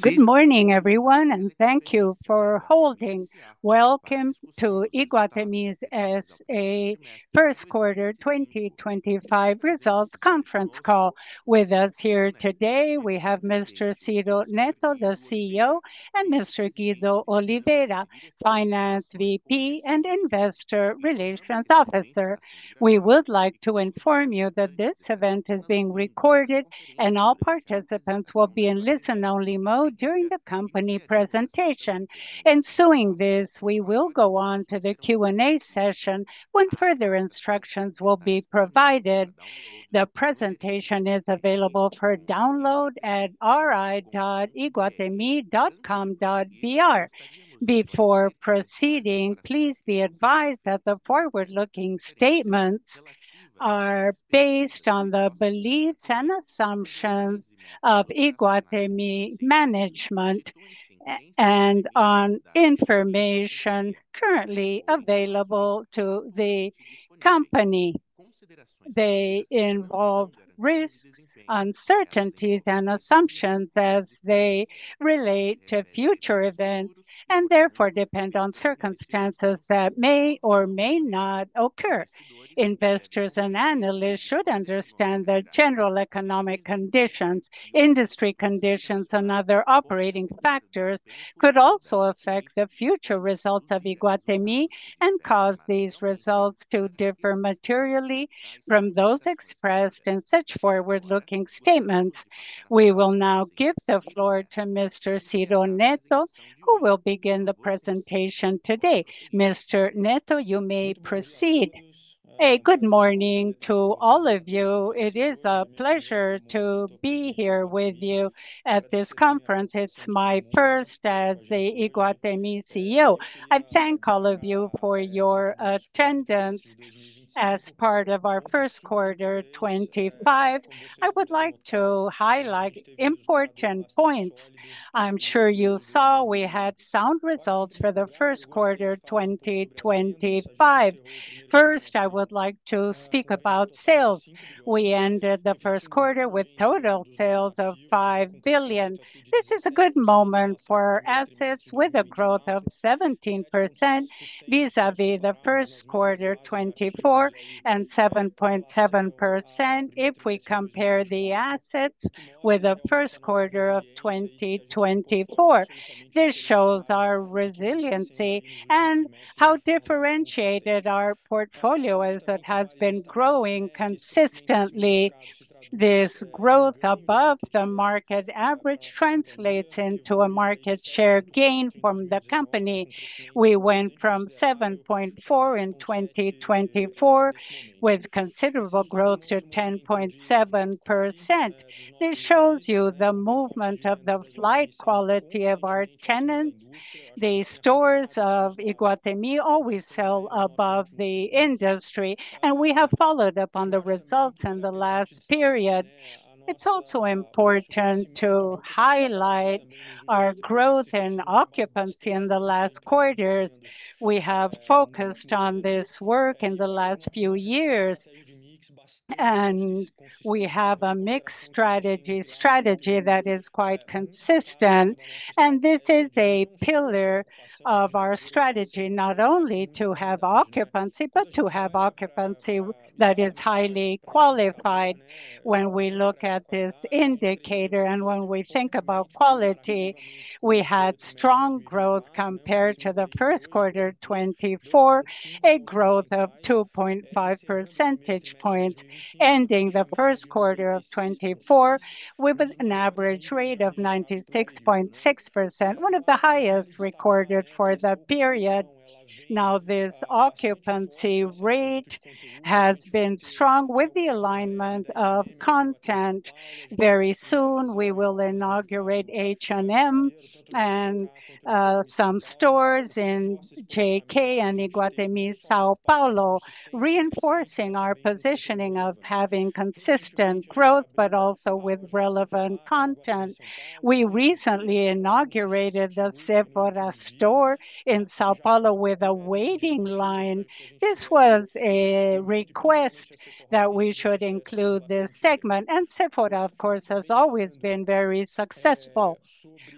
Good morning everyone and thank you for holding. Welcome to Iguatemi S.A. first quarter 2025 results conference call. With us here today we have Mr. Ciro Neto, the CEO, and Mr. Guido Oliveira, Finance VP and Investor Relations Officer. We would like to inform you that this event is being recorded and all participants will be in listen only mode during the company present. Ensuing this, we will go on to the Q and A session when further instructions will be provided. The presentation is available for download at ri.iguatemi.com.br. Before proceeding, please be advised that the forward looking statements are based on the beliefs and assumptions of Iguatemi management and on information currently available to the company. They involve risks, uncertainties and assumptions as they relate to future events and therefore depend on circumstances that may or may not occur. Investors and analysts should understand the general economic conditions, industry conditions and other operating factors could also affect the future results of Iguatemi and cause these results to differ materially from those expressed in such forward looking statements. We will now give the floor to Mr. Ciro Neto who will begin the presentation today. Mr. Neto, you may proceed. Hey, good morning to all of you. It is a pleasure to be here with you at this conference. It's my first as the Iguatemi CEO. I thank all of you for your attendance. As part of our first quarter 2025, I would like to highlight important points. I'm sure you saw we had sound results for the first quarter 2025. First, I would like to speak about sales. We ended the first quarter with total sales of 5 billion. This is a good moment for assets with a growth of 17% vis a vis the first quarter 2024 and 7.7%. If we compare the assets with the first quarter of 2024, this shows our resiliency and how differentiated our portfolio is. That has been growing consistently. This growth above the market average translates into a market share gain from the company. We went from 7.4% in 2024 with considerable growth to 10.7%. This shows you the movement of the flight quality of our tenants. The stores of Iguatemi always sell above the industry and we have followed up on the results in the last period. It's also important to highlight our growth in occupancy in the last quarters. We have focused on this work in the last few years and we have a mixed strategy that is quite consistent. This is a pillar of our strategy not only to have occupancy, but to have occupancy that is highly qualified. When we look at this indicator and when we think about quality, we had strong growth compared to 1Q 2024, a growth of 2.5 percentage points, ending 1Q 2024 with an average rate of 96.6%, one of the highest recorded for the period now. This occupancy rate has been strong with the alignment of content. Very soon we will inaugurate H&M and some stores in JK and Iguatemi São Paulo, reinforcing our positioning of having consistent growth, but also with relevant content. We recently inaugurated the Sephora store in São Paulo with a waiting line. This was a request that we should include this segment. And Sephora, of course, has always been very successful.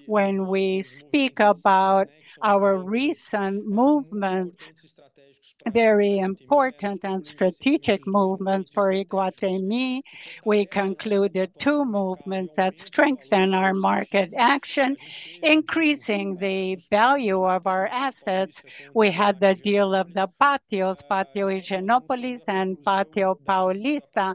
When we speak about our recent movements, very important and strategic movements for Iguatemi, we concluded two movements that strengthen our market action, increasing the value of our assets. We had the deal of the Pátios, Pátio Higienópolis and Pátio Paulista.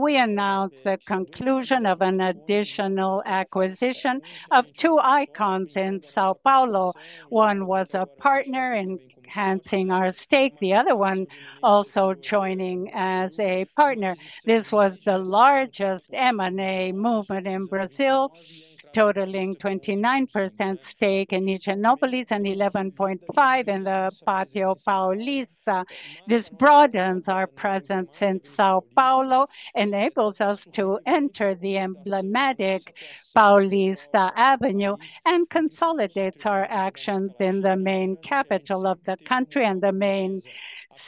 We announced the conclusion of an additional acquisition of two icons in São Paulo. One was a partner enhancing our stake, the other one also joining as a partner. This was the largest M&A movement in Brazil, totaling a 29% stake in Higienópolis and 11.5% in Pátio Paulista. This broadens our presence in São Paulo, enables us to enter the emblematic Paulista Avenue and consolidates our actions in the main capital of the country and the main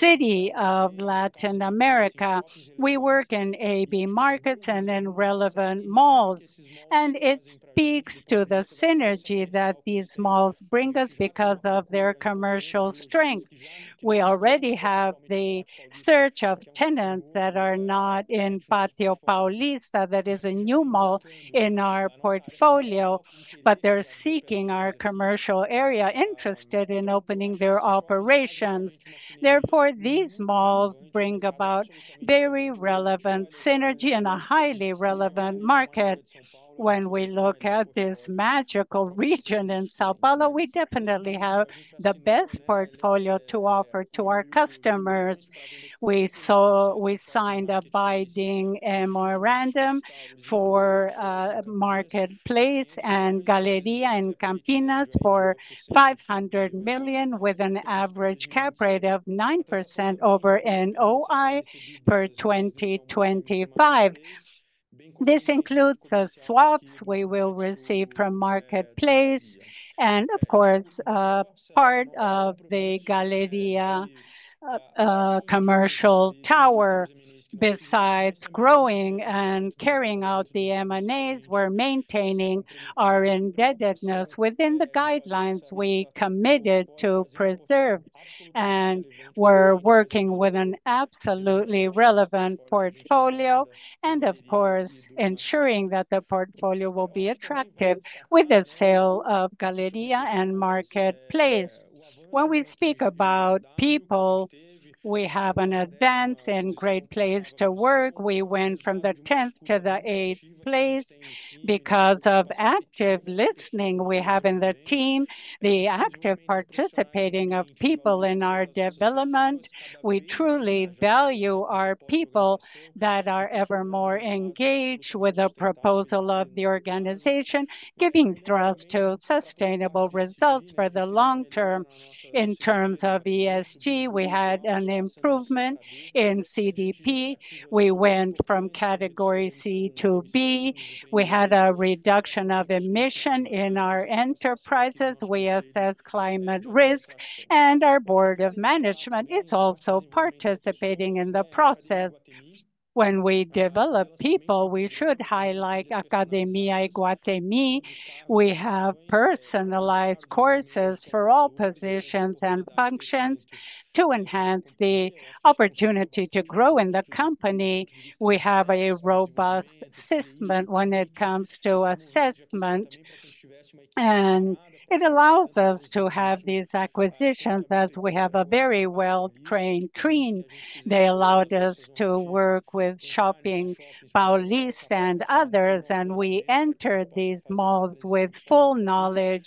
city of Latin America. We work in AB markets and in relevant malls. It speaks to the synergy that these malls bring us. Because of their commercial strength. We already have the search of tenants that are not in Patio Paulista, that is, a new mall in our portfolio, but they're seeking our commercial area interested in opening their operations. Therefore, these malls bring about very relevant synergy in a highly relevant market. When we look at this magical region in São Paulo, we definitely have the best portfolio to offer to our customers. We signed a binding memorandum for Marketplace and Galeria and Campinas for 500 million with an average cap rate of 9% over NOI for 2025. This includes the swaps we will receive from Marketplace and of course, part of the Galeria commercial tower. Besides growing and carrying out the M&A's, we're maintaining our indebtedness within the guidelines we committed to preserve. We are working with an absolutely relevant portfolio and of course ensuring that the portfolio will be attractive with the sale of Galeria and Marketplace. When we speak about people, we have an advance and great place to work. We went from the 10th to the 8th place because of active listening, we have in the team the active participating of people in our development. We truly value our people that are ever more engaged with a proposal of the organization giving thrust to sustainable results for the long term. In terms of ESG, we had an improvement in CDP, we went from category C to B, we had a reduction of emission in our enterprises. We assess climate risk and our board of management is also participating in the process. When we develop people, we should highlight Academia Iguatemi. We have personalized courses for all positions and functions to enhance the opportunity to grow in the company. We have a robust system when it comes to assessment and it allows us to have these acquisitions as we have a very well trained team. They allowed us to work with Patio Paulista and others and we entered these malls with full knowledge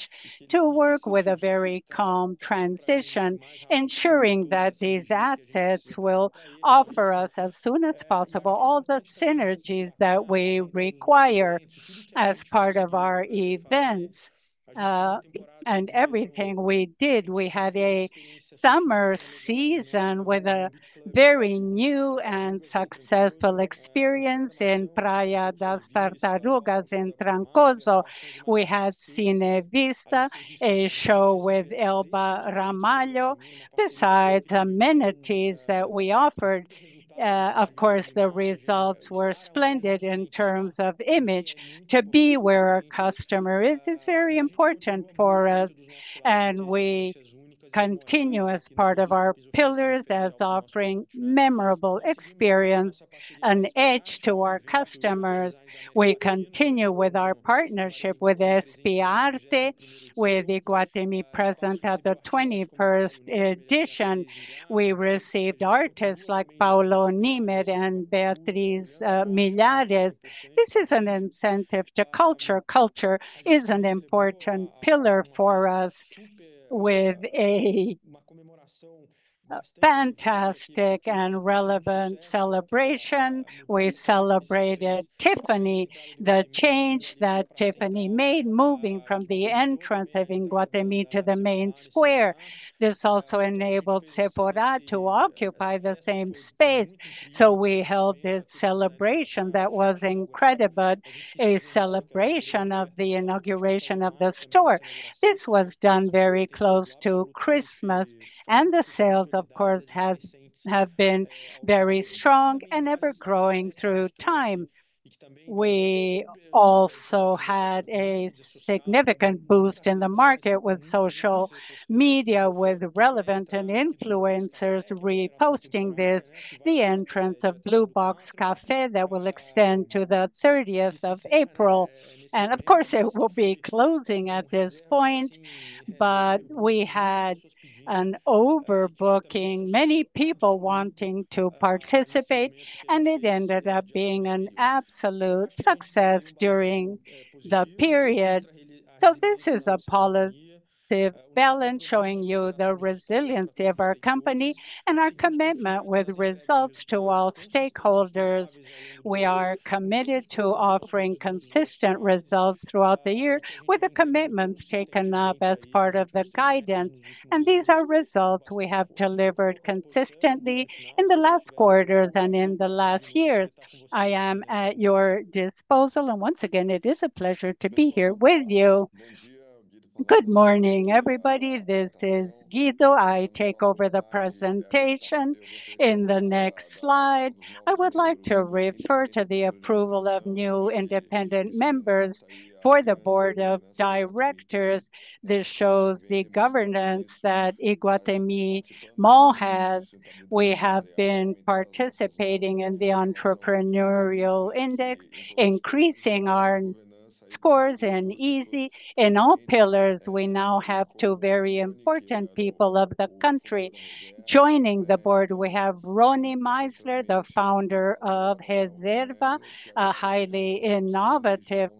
to work with a very calm transition, ensuring that these assets will offer us as soon as possible all the synergies that we require as part of our events and everything we did. We had a summer season with a very new and successful experience in Praia da Tartarugas in Trancoso. We had Cine Vista, a show with Elba Ramalho. Besides amenities that we offered in, of course the results were splendid. In terms of image, to be where our customer is is very important for us and we continue as part of our pillars as offering memorable experience and edge to our customers. We continue with our partnership with SP-Arte with Iguatemi present at the 21st edition. We received artists like Paulo Niemeyer and Beatriz Milhazes. This is an incentive to culture. Culture is an important pillar for us with a fantastic and relevant celebration. We celebrated Tiffany. The change that Tiffany made moving from the entrance of Iguatemi to the main square. This also enabled Sephora to occupy the same square space. We held this celebration that was incredible, a celebration of the inauguration of the store. This was done very close to Christmas and the sales of course have been very strong and ever growing through time. We also had a significant boost in the market with social media with relevant and influencers reposting this, the entrance of Blue Box Cafe that will extend to the 30th of April, and of course it will be closing at this point. We had an overbooking, many people wanting to participate, and it ended up being an absolute success during the period. This is a policy balance showing you the resiliency of our company and our commitment with results to all stakeholders. We are committed to offering consistent results throughout the year with the commitments taken up as part of the guidance. These are results we have delivered consistently in the last quarters and in the last years. I am at your disposal and once again it is a pleasure to be here with you. Good morning, everybody. This is Guido. I take over the presentation. In the next slide I would like to refer to the approval of new independent members for the Board of Directors. This shows the governance that Iguatemi Mall has. We have been participating in the Entrepreneurial Index, increasing our scores and ease in all pillars. We now have two very important people of the country joining the board. We have Ronnie Meisler, the founder of Reserva, a highly innovative,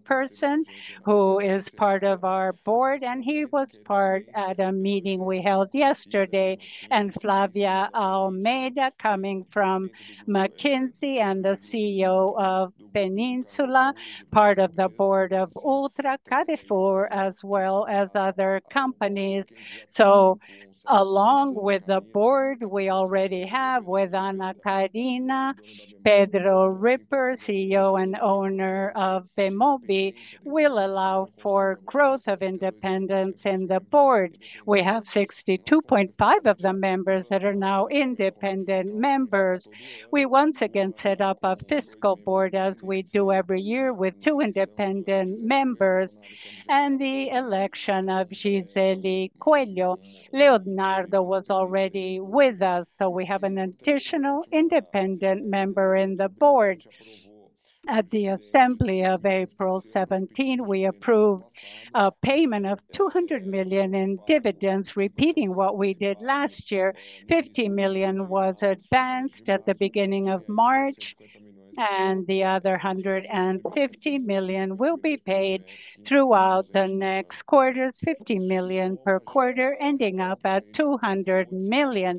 who is part of our board and he was part at a meeting we held yesterday. Flavia Almeida, coming from McKinsey and the CEO of Peninsula, part of the board of Ultra Carrefour, as well as other companies. Along with the board we already have with Ana Karina, Pedro Ripper, CEO and owner of Bemobi, will allow for growth of independence. In the board we have 62.5% of the members that are now independent members. We once again set up a fiscal board, as we do every year, with two independent members. The election of Giselle Coelho Leonardo was already with us. We have an additional independent member in the board. At the assembly of April 17, we approved a payment of 200 million in dividends, repeating what we did last year. 50 million was advanced at the beginning of March and the other 150 million will be paid throughout the next quarters. 50 million per quarter, ending up at 200 million.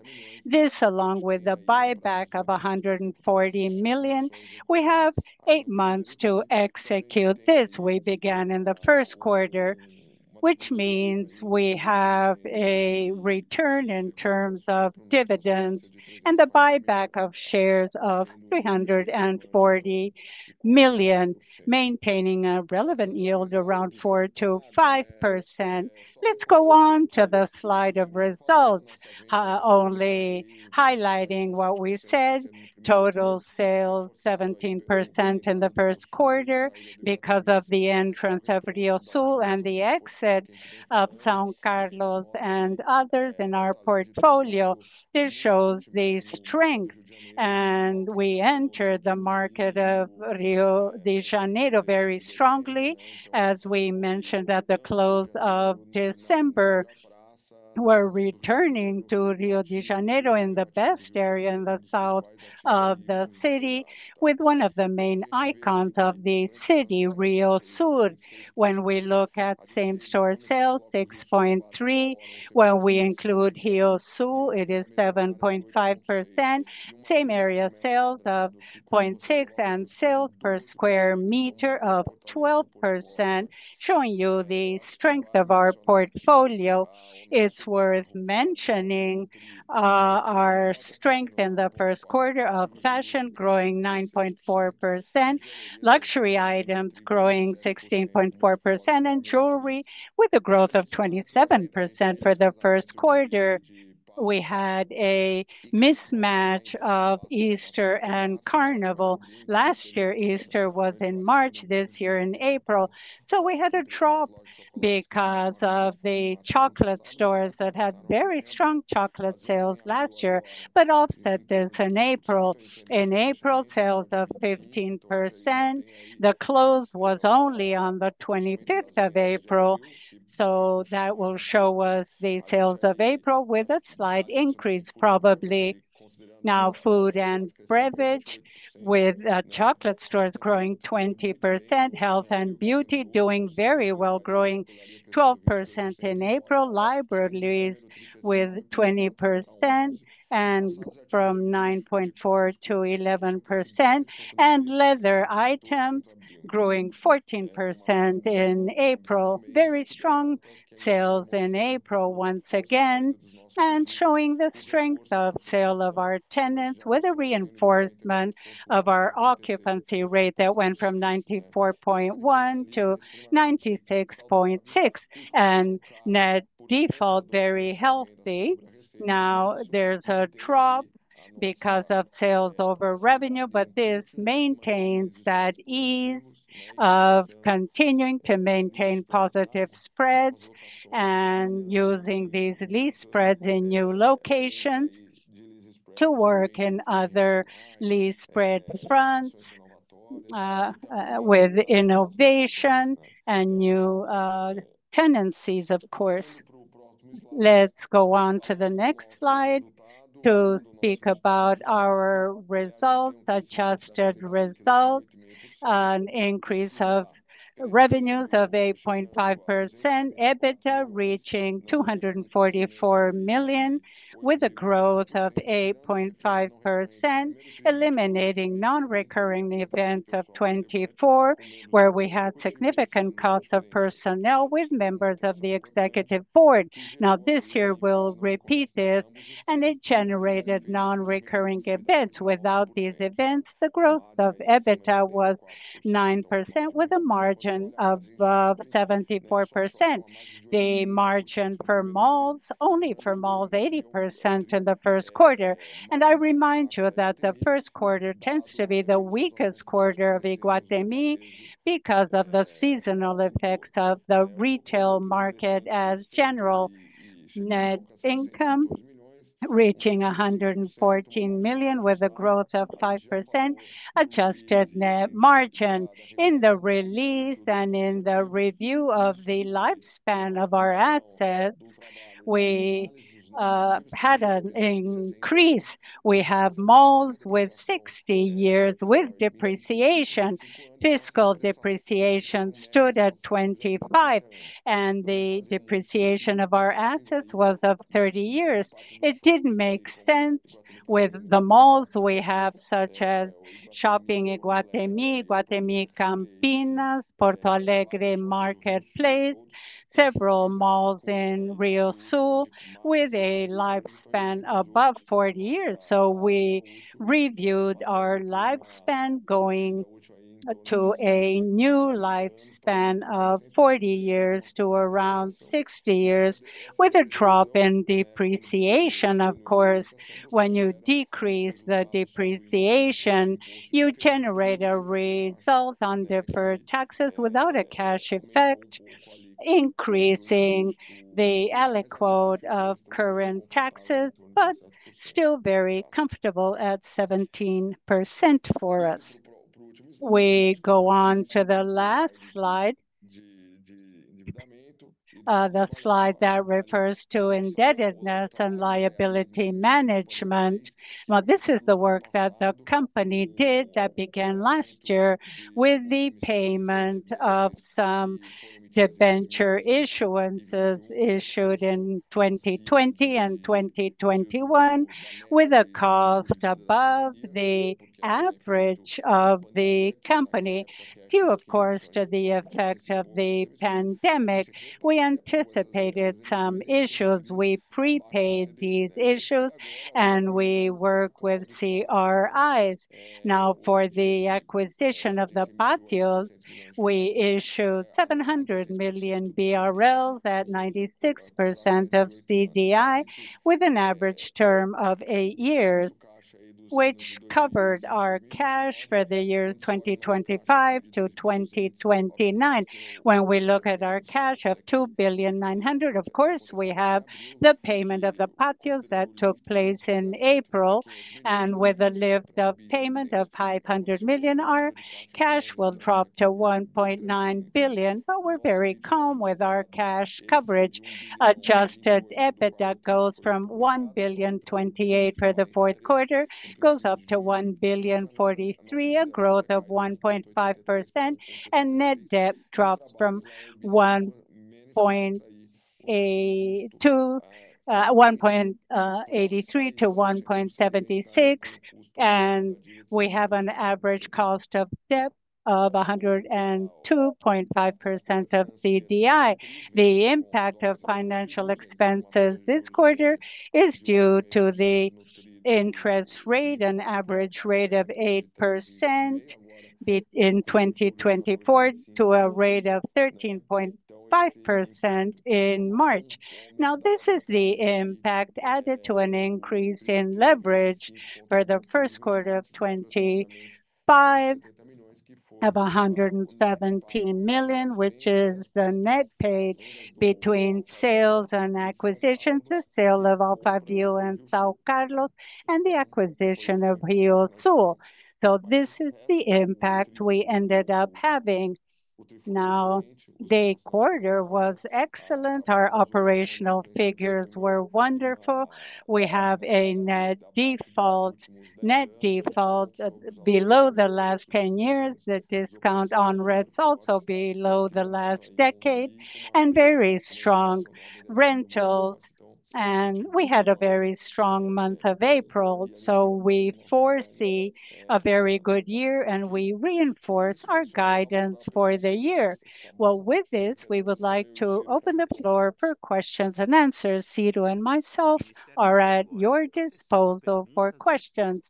This along with the buyback of 100 million. We have eight months to execute this. We began in the first quarter, which means we have a return in terms of dividends and the buyback of shares of 340 million, maintaining a relevant yield around 4-5%. Let's go on to the slide of results, only highlighting what we said. Total sales 17% in the first quarter. Because of the entrance of Rio Sul and the exit of São Carlos and others in our portfolio. This shows the strength and we enter the market of Rio de Janeiro very strongly. As we mentioned, at the close of December, we're returning to Rio de Janeiro, in the best area in the south of the city, with one of the main icons of the city, Rio Sul. When we look at same store sales 6.3%, when we include Rio Sul, it is 7.5%, same area sales of 0.6% and sales per square meter of 12%. Showing you the strength of our portfolio, it's worth mentioning our strength in the first quarter of fashion growing, luxury items growing 16.4% and jewelry with a growth of 27% for the first quarter. We had a mismatch of Easter and Carnival last year. Easter was in March, this year in April. We had a drop because of the chocolate stores that had very strong chocolate sales last year, but offset this in April. In April, sales of pigment 15%. The close was only on the 25th of April. That will show us the sales of April with a slight increase probably now. Food and beverage with chocolate stores growing 20%. Health and beauty doing very well, growing 12% in April. Libraries with 20% and from 9.4% to 11%. Leather items growing 14% in April. Very strong sales in April once again and showing the strength of sale of our tenants with a reinforcement of our occupancy rate that went from 94.1% to 96.6%. Net default very healthy. Now there's a drop because of sales over revenue. This maintains that ease of continuing to maintain positive spreads and using these lease spreads in new locations to work in other lease spread fronts with innovation and new tenancies. Of course. Let's go on to the next slide to speak about our results. Adjusted result, an increase of revenues of 8.5%. EBITDA reaching 244 million with a growth of 8.5%, eliminating non recurring events of 2024 where we had significant cost of personnel with members of the executive. Now this year we'll repeat this and it generated non recurring events. Without these events, the growth of EBITDA was 9% with a margin of 74%. The margin for malls, only for malls, 80% in the first quarter. I remind you that the first quarter tends to be the weakest quarter of Iguatemi because of the seasonal effects of the retail market as general net income reaching 114 million with a growth of 5% adjusted net margin. In the release and in the review of the lifespan of our assets, we had an increase. We have malls with 60 years with depreciation. Fiscal depreciation stood at 25 and the depreciation of our assets was up of 30 years. It did not make sense with the malls we have such as Shopping Iguatemi, Iguatemi Campinas, Porto Alegre, Marketplace, several malls in Rio Sul with a lifespan above 40 years. We reviewed our lifespan going to a new lifespan of 40 years to around 60 years with a drop in depreciation. Of course, when you decrease the depreciation, you generate a result on deferred taxes without a cash effect, increasing the aliquote of current taxes, but still very comfortable at 17% for us. We go on to the last slide, the slide that refers to indebtedness and liability management. This is the work that the company did that began last year with the payment of some debenture issuances issued in 2020 and 2021 with a cost above the average of the company. Due, of course, to the effect of the. We anticipated some issues. We prepaid these issues and we work with CRIs. Now for the acquisition of the Pátios, we issued 700 million BRL at 96% of CDI with an average term of eight years, which covered our cash for the years 2025 to 2029. When we look at our cash of 2.9 billion, we have the payment of the Pátios that took place in April. With a lift of payment of 500 million, our cash will drop to 1.9 billion. We are very calm with our cash coverage. Adjusted EBITDA goes from 1.028 billion for the fourth quarter and goes up to 1.043 billion. A growth of 1.5% and net debt dropped from 1.183 billion to 1.76 billion. We have an average cost of debt of 102.5% of CDI. The impact of financial expenses this quarter is due to the interest rate, an average rate of 8% in 2024 to a rate of 13.5% in March. This is the impact added to an increase in leverage for 1Q25 of 117 million, which is the net paid between sales and acquisitions. The sale of Alphaville and São Carlos and the acquisition of Rio Sul. This is the impact we ended up having now. The quarter was excellent. Our operational figures were wonderful. We have a net default below the last 10 years. The discount on rents also below the last decade and very strong rentals. We had a very strong month of April. We foresee a very good year and we reinforce our guidance for the year. With this, we would like to open the floor for questions and answers. Ciro and myself are at your disposal for questions.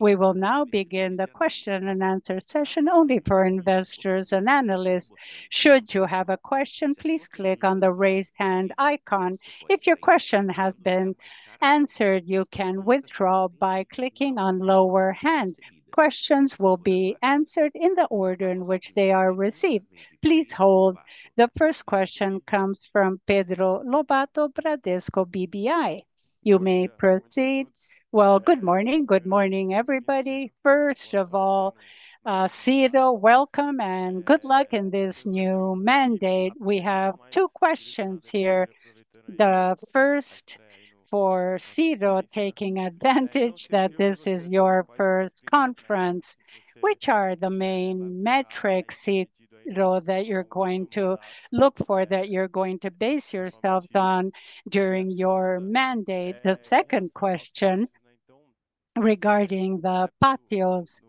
We will now begin the question and answer session only for investors and analysts. Should you have a question, please click on the raised hand icon. If your question has been answered, you can withdraw by clicking on lower hand. Questions will be answered in the order in which they are received. Please hold. The first question comes from Pedro Lobato, Bradesco BBI. You may proceed. Good morning. Good morning, everybody. First of all, Ciro, welcome and good luck in this new mandate. We have two questions here. The first for Ciro, taking advantage that this is your first conference, which are the main metrics that you're going to look for, that you're going to base yourselves on during your mandate. The second question, regarding the Pátios,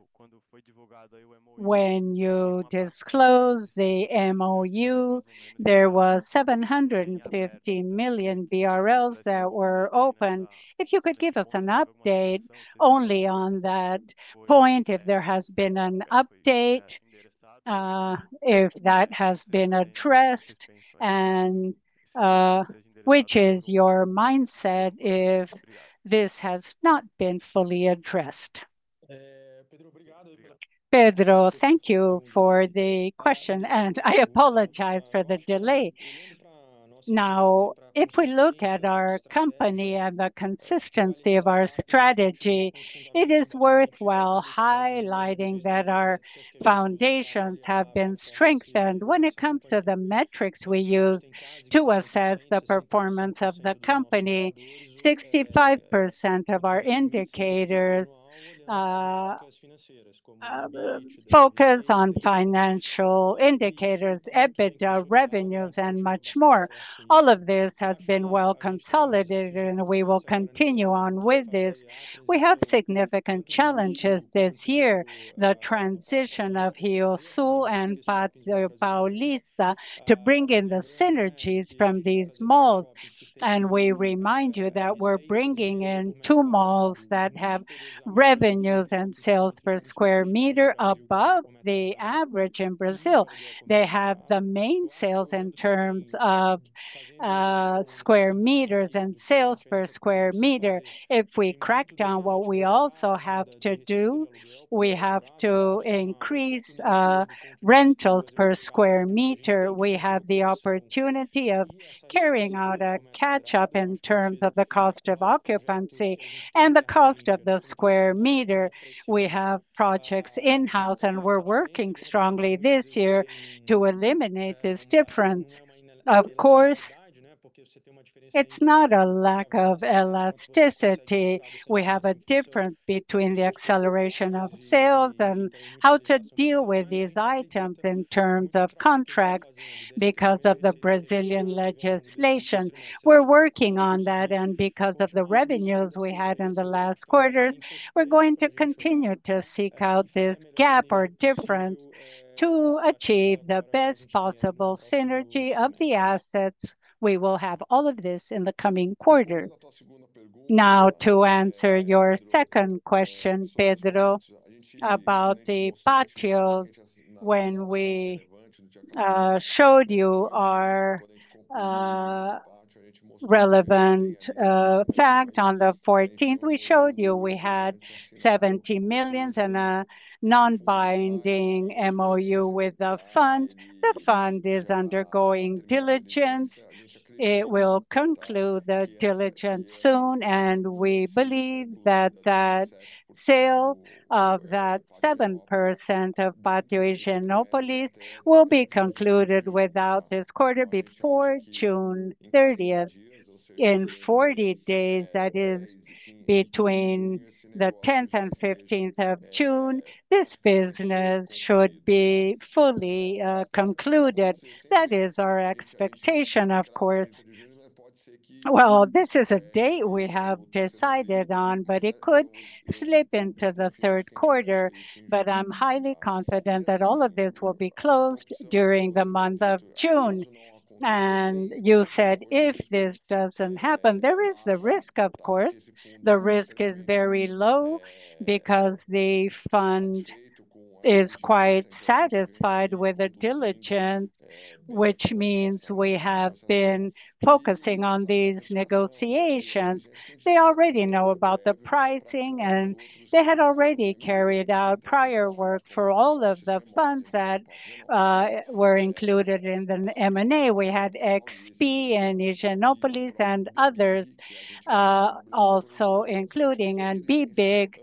when you disclose the MOU, there was 750 million BRL that were open. If you could give us a number update only on that point. If there has been an update, if that has been addressed, and what is your mindset if this has not been fully addressed. Pedro, thank you for the question and I apologize for the delay now. If we look at our company and the consistency of our strategy, it is worthwhile highlighting that our foundations have been strengthened when it comes to the metrics we use to assess the performance of the company. 65% of our indicators focus on financial indicators, EBITDA, revenues, and much more. All of this has been well consolidated and we will continue on with this. We have significant challenges this year, the transition of Higienópolis and Paulista to bring in the synergies from these malls. We remind you that we are bringing in two malls that have revenues and sales per square meter above the average in Brazil. They have the main sales in terms of square meters and sales per square meter. We crack down what we also have to do. We have to increase rentals per square meter. We have the opportunity of carrying out a catch up in terms of the cost of occupancy and the cost of the square meter. We have projects in house and we're working strongly this year to eliminate this difference. Of course, it's not a lack of elasticity. We have a difference between the acceleration of sales and how to deal with these items in terms of contracts. Because of the Brazilian legislation we're working on that and because of the revenues we had in the last quarters, we're going to continue to seek out this gap or difference to achieve the best possible synergy of the assets. We will have all of this in the coming quarter. Now, to answer your second question, Pedro, about the Patio, when we showed you our relevant fact on the 14th, we showed you we had 70 million and a non-binding MOU with the fund. The fund is undergoing diligence. It will conclude the diligence soon. We believe that the sale of that 7% of Pátio Anália Franco will be concluded within this quarter, before June 30, in 40 days, that is, between the 10th and 15th of June, this business should be fully concluded. That is our expectation, of course. This is a date we have decided on, but it could slip into the third quarter. I am highly confident that all of this will be closed during the month of June. You said if this does not happen, there is the risk. Of course the risk is very low because the fund is quite satisfied with the diligence, which means we have been focusing on these negotiations. They already know about the pricing and they had already carried out prior work for all of the funds that were included in the M&A. We had XP and Indianapolis and others also including, and BB Investimentos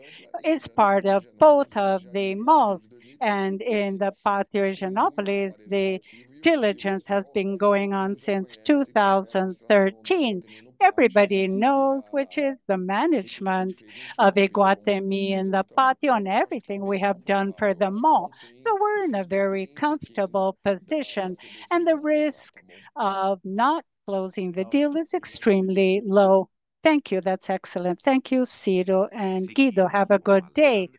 is part of both of the mall and in the Pátio Generalis. The diligence has been going on since 2013. Everybody knows, which is the management of Iguatemi and the Pátio and everything we have done for them all. We are in a very comfortable position and the risk of not closing the deal is extremely low. Thank you, that's excellent. Thank you. Ciro and Guido, have a good day.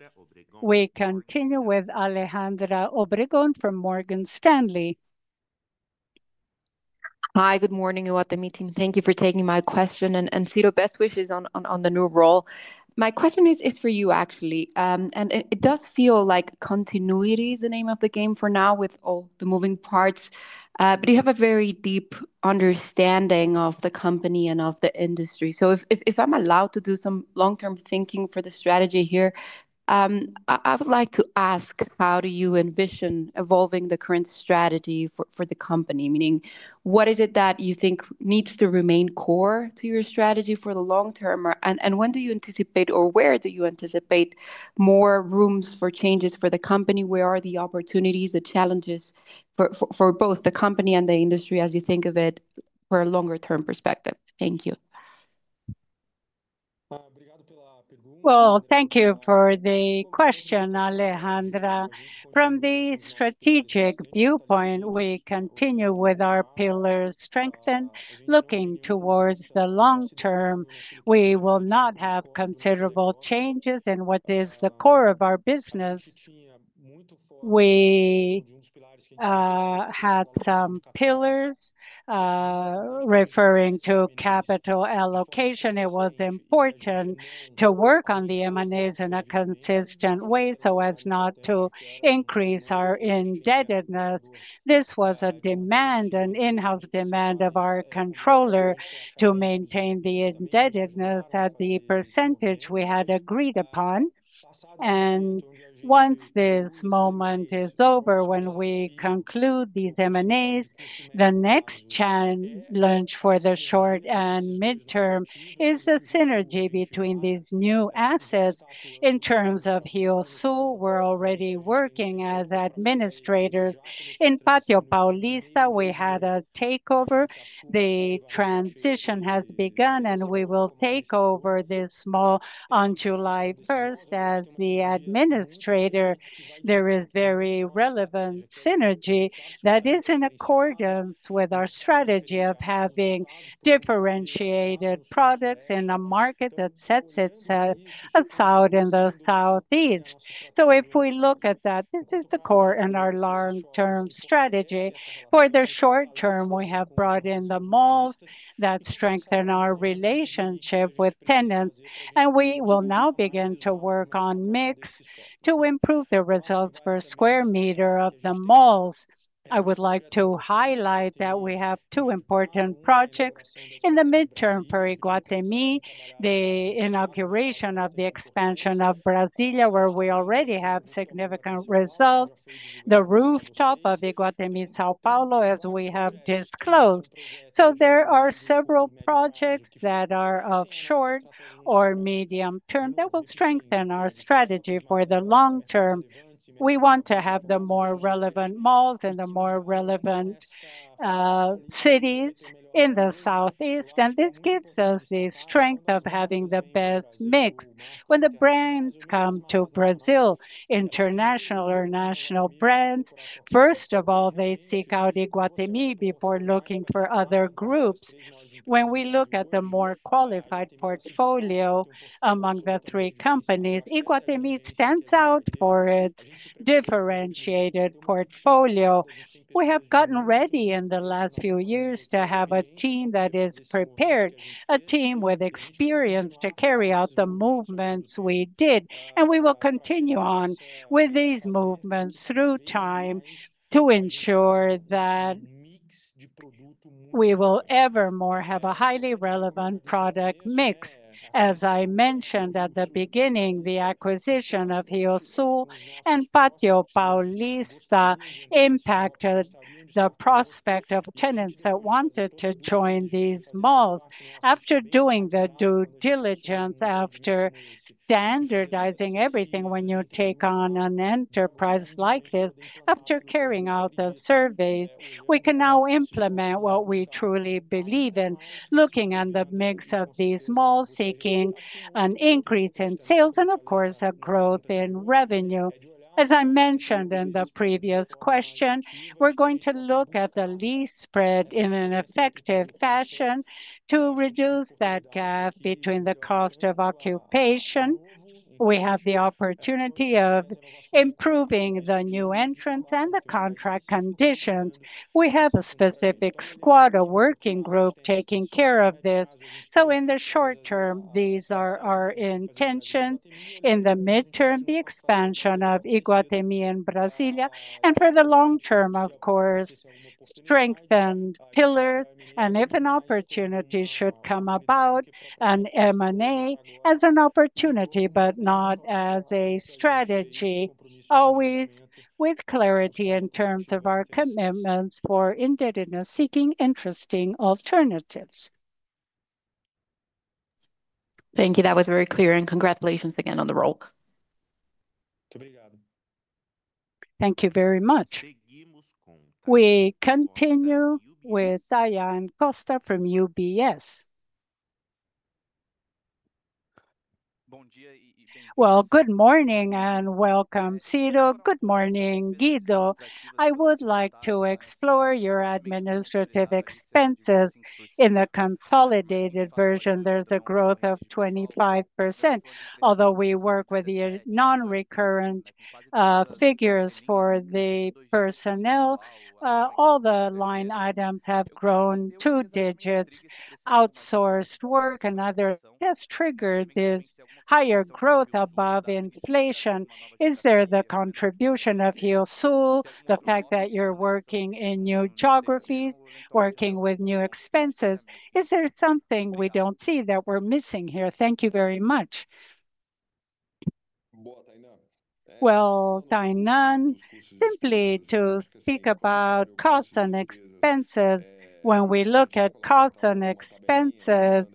We continue with Alejandra Obregon from Morgan Stanley. Hi, good morning, Iguatemi meeting. Thank you for taking my question. And Ciro, best wishes on the new role. My question is for you actually, it does feel like continuity is the name of the game for now with all the moving parts, but you have a very deep understanding of the company and of the industry. If I'm allowed to do some long term thinking for the strategy here, I would like to ask how do you envision evolving the current strategy for the company? Meaning what is it that you think needs to remain core to your strategy for the long term and when do you anticipate or where do you anticipate more rooms for changes for the company? Where are the opportunities, the challenges for both the company and the industry as you think of it for a longer term perspective? Thank you. Thank you for the question, Alejandra. From the strategic viewpoint, we continue with our pillars strengthened, looking towards the long term, we will not have considerable changes in what is the core of our business. We had some pillars referring to capital allocation. It was important to work on the M&As in a consistent way so as not to increase our indebtedness. This was a demand, an in-house demand of our controller to maintain the indebtedness at the percentage we had agreed upon. Once this moment is over, when we conclude these M&As, the next chance, looking for the short and midterm, is the synergy between these new assets in terms of Rio Sul. We are already working as administrators in Patio Paulista. We had a takeover. The transition has begun and we will take over this mall on July 1 as the administrator. There is very relevant synergy that is in accordance with our strategy of having different differentiated products in a market that sets itself out in the Southeast. If we look at that, this is the core in our long term strategy. For the short term, we have brought in the malls that strengthen our relationship with tenants. We will now begin to work on mix to improve the results per square meter of the malls. I would like to highlight that we have two important projects in the midterm for Iguatemi. The inauguration of the expansion of Brasília, where we already have significant results. The rooftop of Iguatemi São Paulo, as we have disclosed. There are several projects that are of short or medium term that will strengthen our strategy for the long term. We want to have the more relevant malls and the more relevant cities in the Southeast. This gives us the strength of having the best mix. When the brands come to Brazil, international or national brands, first of all, they seek out Iguatemi before looking for other groups. When we look at the more qualified portfolio among the three companies, Iguatemi stands out for its differentiated portfolio. We have gotten ready in the last few years to have a team that is prepared, a team with experience to carry out the movements we did. We will continue on with these movements through time to ensure that we will ever more have a highly relevant product mix. As I mentioned at the beginning, the acquisition of Rio Sul and Patio Paulista impacted the prospect of tenants that wanted to join these malls. After doing the due diligence, after standardizing everything. When you take on an enterprise like this. After carrying out the surveys, we can now implement what we truly believe in. Looking at the mix of these malls, seeking an increase in sales and of course, a growth in revenue. As I mentioned in the previous question, we're going to look at the lease spread in an effective fashion. To reduce that gap between the cost of occupation. We have the opportunity of improving the new entrants and the contract conditions. We have a specific squad, a working group taking care of this. In the short term, these are our intentions. In the midterm, the expansion of Iguatemi in Brasília and for the long term, of course, strengthened pillars. If an opportunity should come about, an M&A as an opportunity, but not as a strategy. Always with clarity. In terms of our commitments for indebtedness seeking interesting alternatives. Thank you, that was very clear. Congratulations again on the role. Thank you very much. We continue with Diane Costa from UBS. Good morning and welcome. Sido. Good morning, Guido. I would like to explore your administrative expenses. In the consolidated version there is a growth of 25%. Although we work with the non recurrent figures for the personnel, all the line items have grown two digits. Outsourced work and other has triggered this higher growth above inflation. Is there the contribution of Rio Sul, the fact that you are working in new geographies, working with new expenses. Is there something we do not see that we are missing here? Thank you very much. Tainan, simply to speak about costs and expenses. When we look at costs and expenses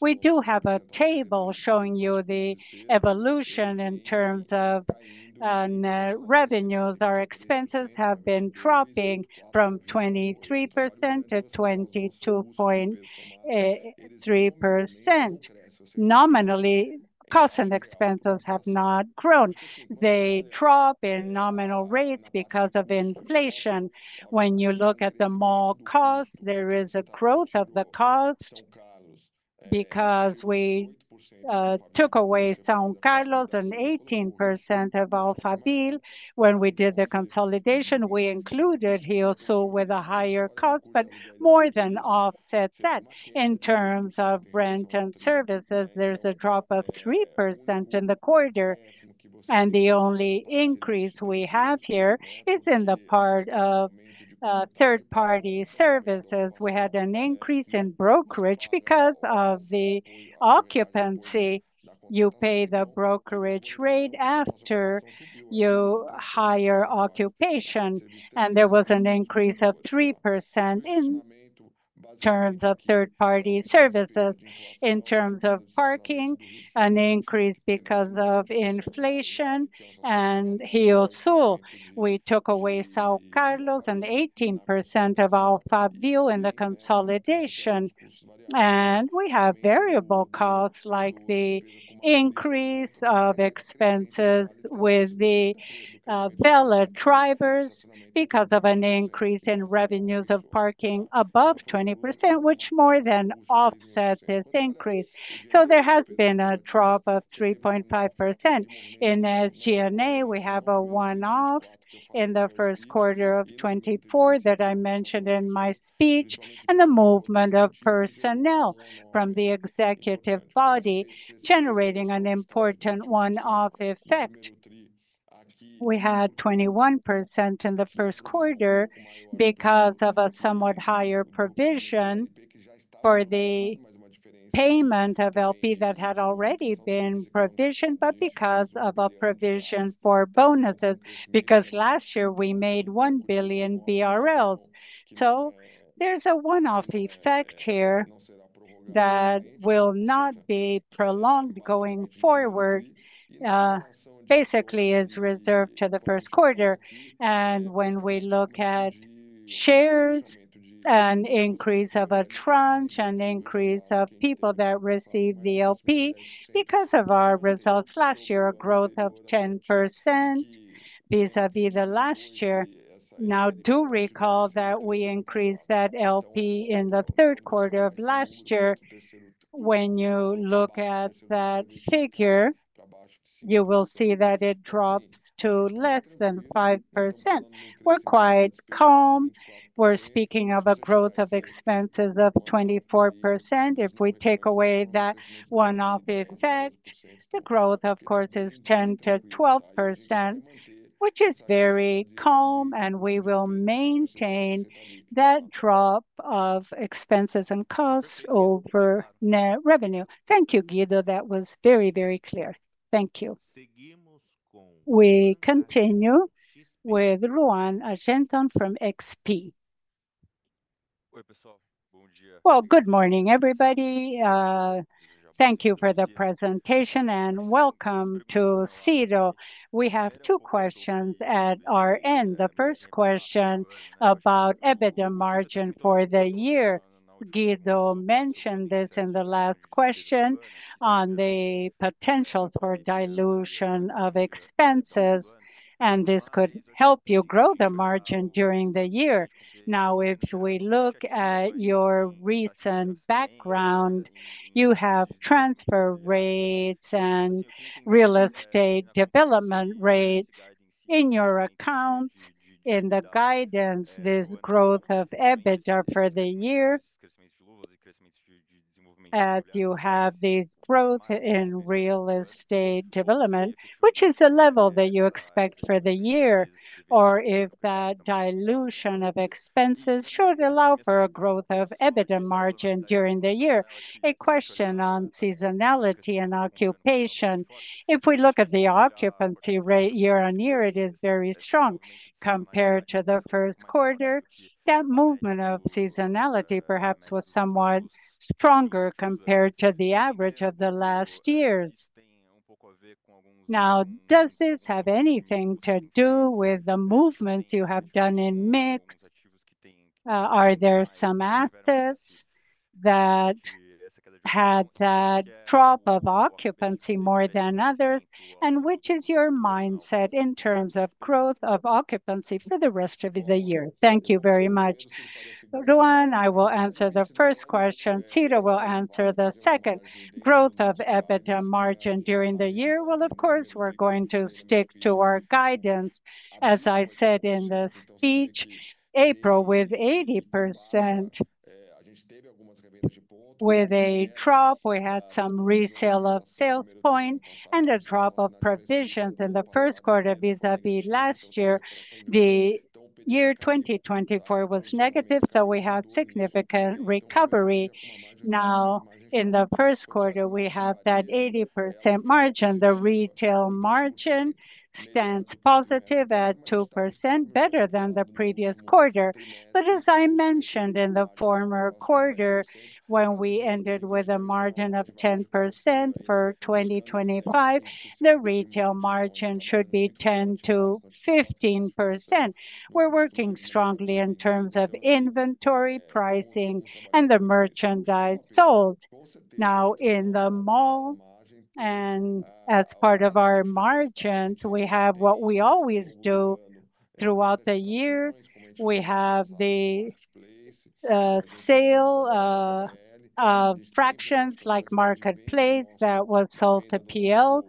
we do have a table showing you the evolution in terms of net revenues. Our expenses have been dropping from 23% to 22.8%. Nominally costs and expenses have not grown. They drop in nominal rates because of inflation. When you look at the mall cost, there is a growth of the cost because we took away São Carlos and 18% of Alphaville. When we did the consolidation. We included Rio Sul also with a higher cost, but more than offset that. In terms of rent and services, there's a drop of 3% in the quarter. The only increase we have here is in the part of third party services. We had an increase in brokerage because of the occupancy. You pay the brokerage rate after you hire occupation. There was an increase of 3% in terms of third party services. In terms of parking, an increase because of inflation. We also took away São Carlos and 18% of Alphaville in the consolidation. We have variable costs like the increase of expenses with the Bella Tribal because of an increase in revenues of parking above 20% which more than offset this increase. There has been a drop of 3.5% in SG&A. We have a one-off in 1Q 2024 that I mentioned in my speech. The movement of personnel from the executive body generated an important one-off effect. We had 21% in the first quarter because of a somewhat higher provision for the payment of LP that had already been provisioned, but because of a provision for bonuses. Last year we made 1 billion BRL. There is a one-off effect here that will not be prolonged going forward. Basically, it is reserved to the first quarter. When we look at shares, an increase of a tranche, an increase of people that receive the LP because of our results last year, a growth of 10% vis a vis last year. Now do recall that we increased that LP in the third quarter of last year. When you look at that figure you will see that it drops to less than 5%. We are quite calm. We are speaking of a growth of expenses of 24%. If we take away that one-off effect, the growth of course is 10-12% which is very calm and we will maintain that drop of expenses and costs over net revenue. Thank you, Guido. That was very, very clear. Thank you. We continue with Ruan Argenton from XP. Good morning everybody. Thank you for the presentation and welcome to CEDAW. We have two questions at our end. The first question about EBITDA margin for the Guido mentioned this in the last question on the potential for dilution of expenses and this could help you grow the margin during the year. Now if we look at your recent background, you have transfer rates and real estate development rates in your account in the guidance. This growth of EBITDA for the year as you have the growth in real estate development which is the level that you expect for the year or if that dilution of expenses should allow for a growth of EBITDA margin during the year. A question on seasonality and occupation. If we look at the occupancy rate year on year, it is very strong compared to the first quarter. That movement of seasonality perhaps was somewhat stronger compared to the average of the last years. Now does this have anything to do with the movements you have done in mix? Are there some assets that had that drop of occupancy more than others and which is your mindset in terms of growth of occupancy for the rest of the year? Thank you very much, Ruan. I will answer the first question. Ciro will answer the second growth of EBITDA margin during the year. Of course we're going to stick to our guidance. As I said in the speech, April with 80% with a drop, we had some resale of salespoint and a drop of provisions in the first quarter. Vis a vis last year, the year 2024 was negative. We have significant recovery now in the first quarter, we have that 80% margin. The retail margin stands positive at 2% better than the previous quarter. As I mentioned in the former quarter when we ended with a margin of 10% for 2025, the retail margin should be 10-15%. We're working strongly in terms of inventory pricing and the merchandise sold now in the mall. As part of our margins, we have what we always do throughout the year, we have the sale of fractions like Marketplace that was sold to PM.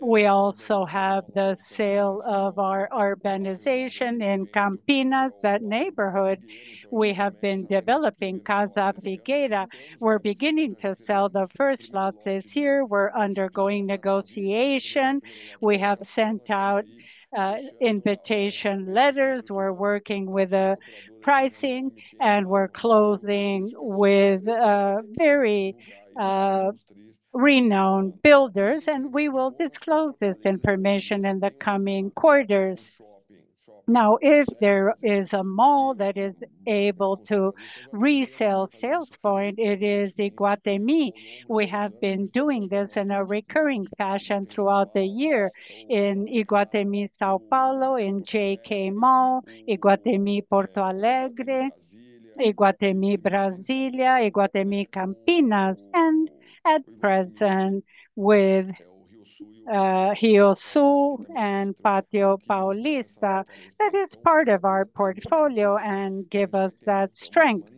We also have the sale of our urbanization in Campinas, that neighborhood. We have been developing Casa Brigueira. We're beginning to sell the first lot this year. We're undergoing negotiation. We have sent out invitation letters, we're working with the pricing, and we're closing with very renowned builders. We will disclose this information in the coming quarters. If there is a mall that is able to resell sales point, it is Iguatemi. We have been doing this in a recurring fashion throughout the year in Iguatemi São Paulo, in JK Mall, Iguatemi Porto Alegre. At present with Rio Sul and Patio Paulista, that is part of our portfolio and gives us that strength.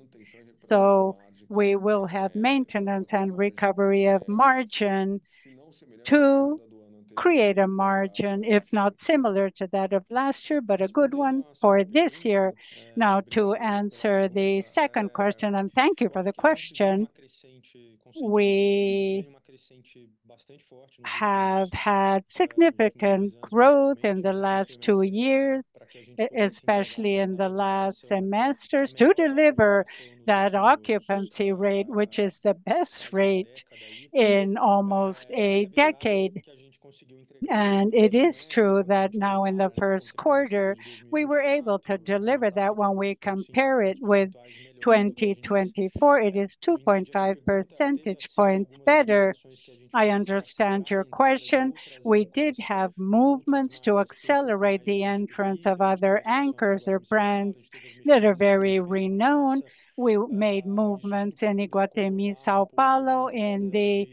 We will have maintenance and recovery of margin to create a margin if not similar to that of last year, but a good one for this year. Now to answer the second question, and thank you for the question. We have had significant growth in the last two years, especially in the last semesters, to deliver that occupancy rate, which is the best rate in almost a decade. It is true that now in the first quarter we were able to deliver that. When we compare it with 2024, it is 2.5 percentage points better. I understand your question. We did have movements to accelerate the entrance of other anchors or brands that are very renowned. We made movements in Iguatemi, São Paulo and the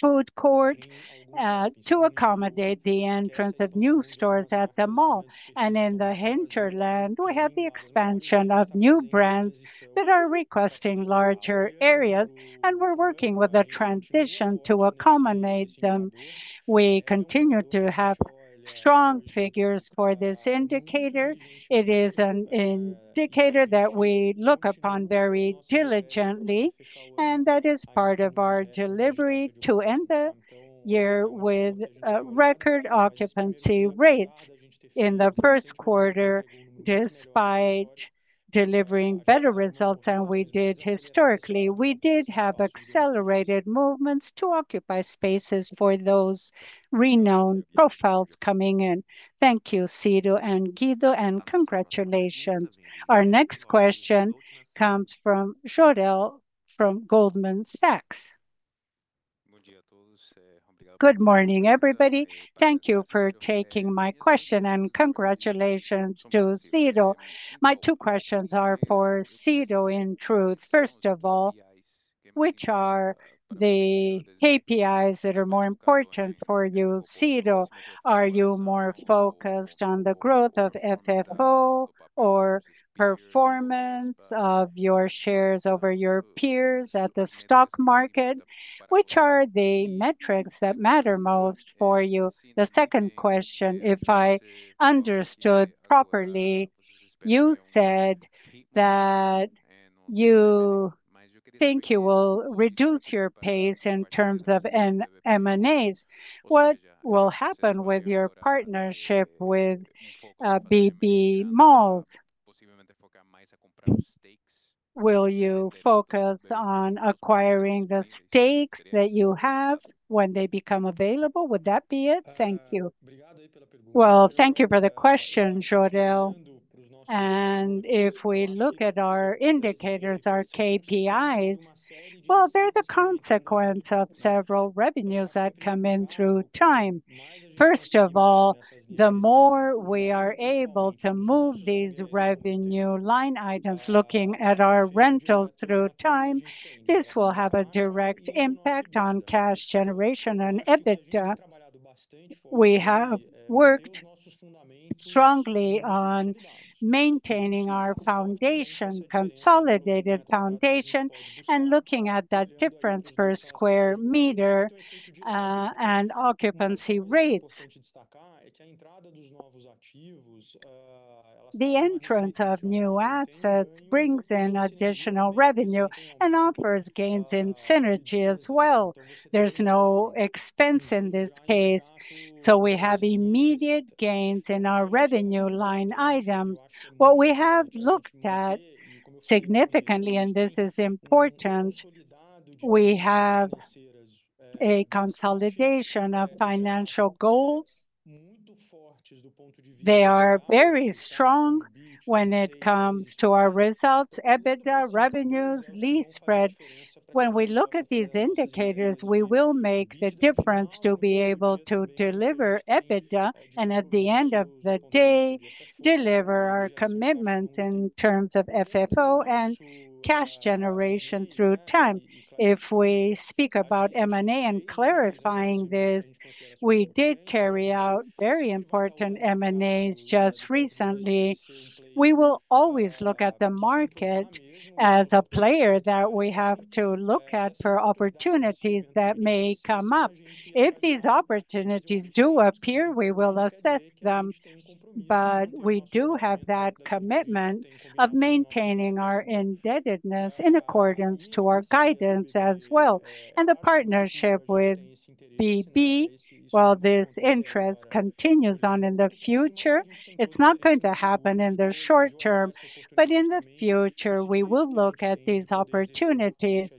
Food Court to accommodate the entrance of new stores at the mall. In the hinterland, we have the expansion of new brands that are requesting larger areas and we're working with the transition to accommodate them. We continue to have strong figures for this indicator. It is an indicator that we look upon very diligently and that is part of our delivery to end the year with record occupancy rates in the first quarter, despite delivering better results than we did historically. We did have accelerated movements to occupy spaces for those renowned profiles coming in. Thank you, Ciro and Guido, and congratulations. Our next question comes from Jordel from Goldman Sachs. Good morning everybody. Thank you for taking my question and congratulations to Ciro. My two questions are for Ciro, in truth. First of all, which are the KPIs that are more important for you? Ciro, are you more focused on the growth of FFO or performance of your shares over your peers at the stock market? Which are the metrics that matter most for you? The second question, if I understood properly, you said that you think you will reduce your pace in terms of M&A. What will happen with your partnership with BB Investimentos? Will you focus on acquiring the stakes that you have when they become available? Would that be it? Thank you. Thank you for the question, Jordel. If we look at our indicators, our KPIs, they are the consequence of several revenues that come in through chunk. First of all, the more we are able to move these revenue line items, looking at our rentals through time, this will have a direct impact on cash generation and EBITDA. We have worked strongly on maintaining our foundation, consolidated foundation and looking at that difference per square meter and occupancy rate rates, the entrance of new assets brings in additional revenue and offers gains in synergy as well. There is no expense in this case. We have immediate gains in our revenue line items. What we have looked at significantly and this is important, we have a consolidation of financial goals. They are very strong when it comes to our results. EBITDA revenues, lease spread. When we look at these indicators, we will make the difference to be able to deliver EBITDA and at the end of the day deliver our commitments in terms of FFO and cash generation through time. If we speak about M&A and clarifying this, we did carry out very important M&As just recently, we will always look at the market as a player that we have to look at for opportunities that may come up. If these opportunities do appear, we will assist them. We do have that commitment of maintaining our indebtedness in accordance to our guidance as well and the partnership with BB while this interest continues on in the future. It's not going to happen in the short term, but in the future we will look at these opportunities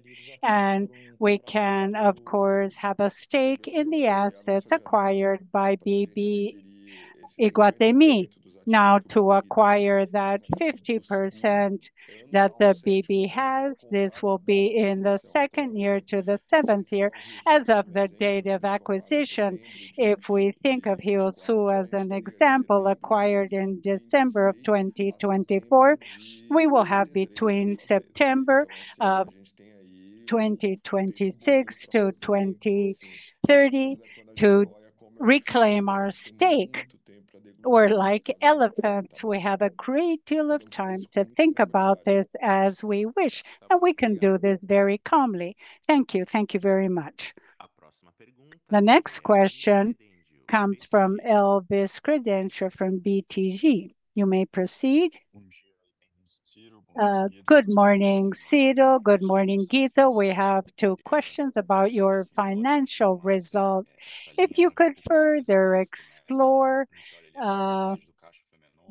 and we can of course have a stake in the assets acquired by BB. Now to acquire that 50% that BB has. This will be in the second year to the seventh year as of the date of acquisition. If we think of Rio Sul as an example acquired in December of 2024, we will have between September of 2026 to 2030 to reclaim our stake. We're like elephants. We have a great deal of time to think about this as we wish and we can do this very calmly. Thank you. Thank you very much. The next question comes from Elvis Credenture from BTG. You may proceed. Good morning, Ciro. Good morning, Guido. We have two questions about your financial results. If you could further explore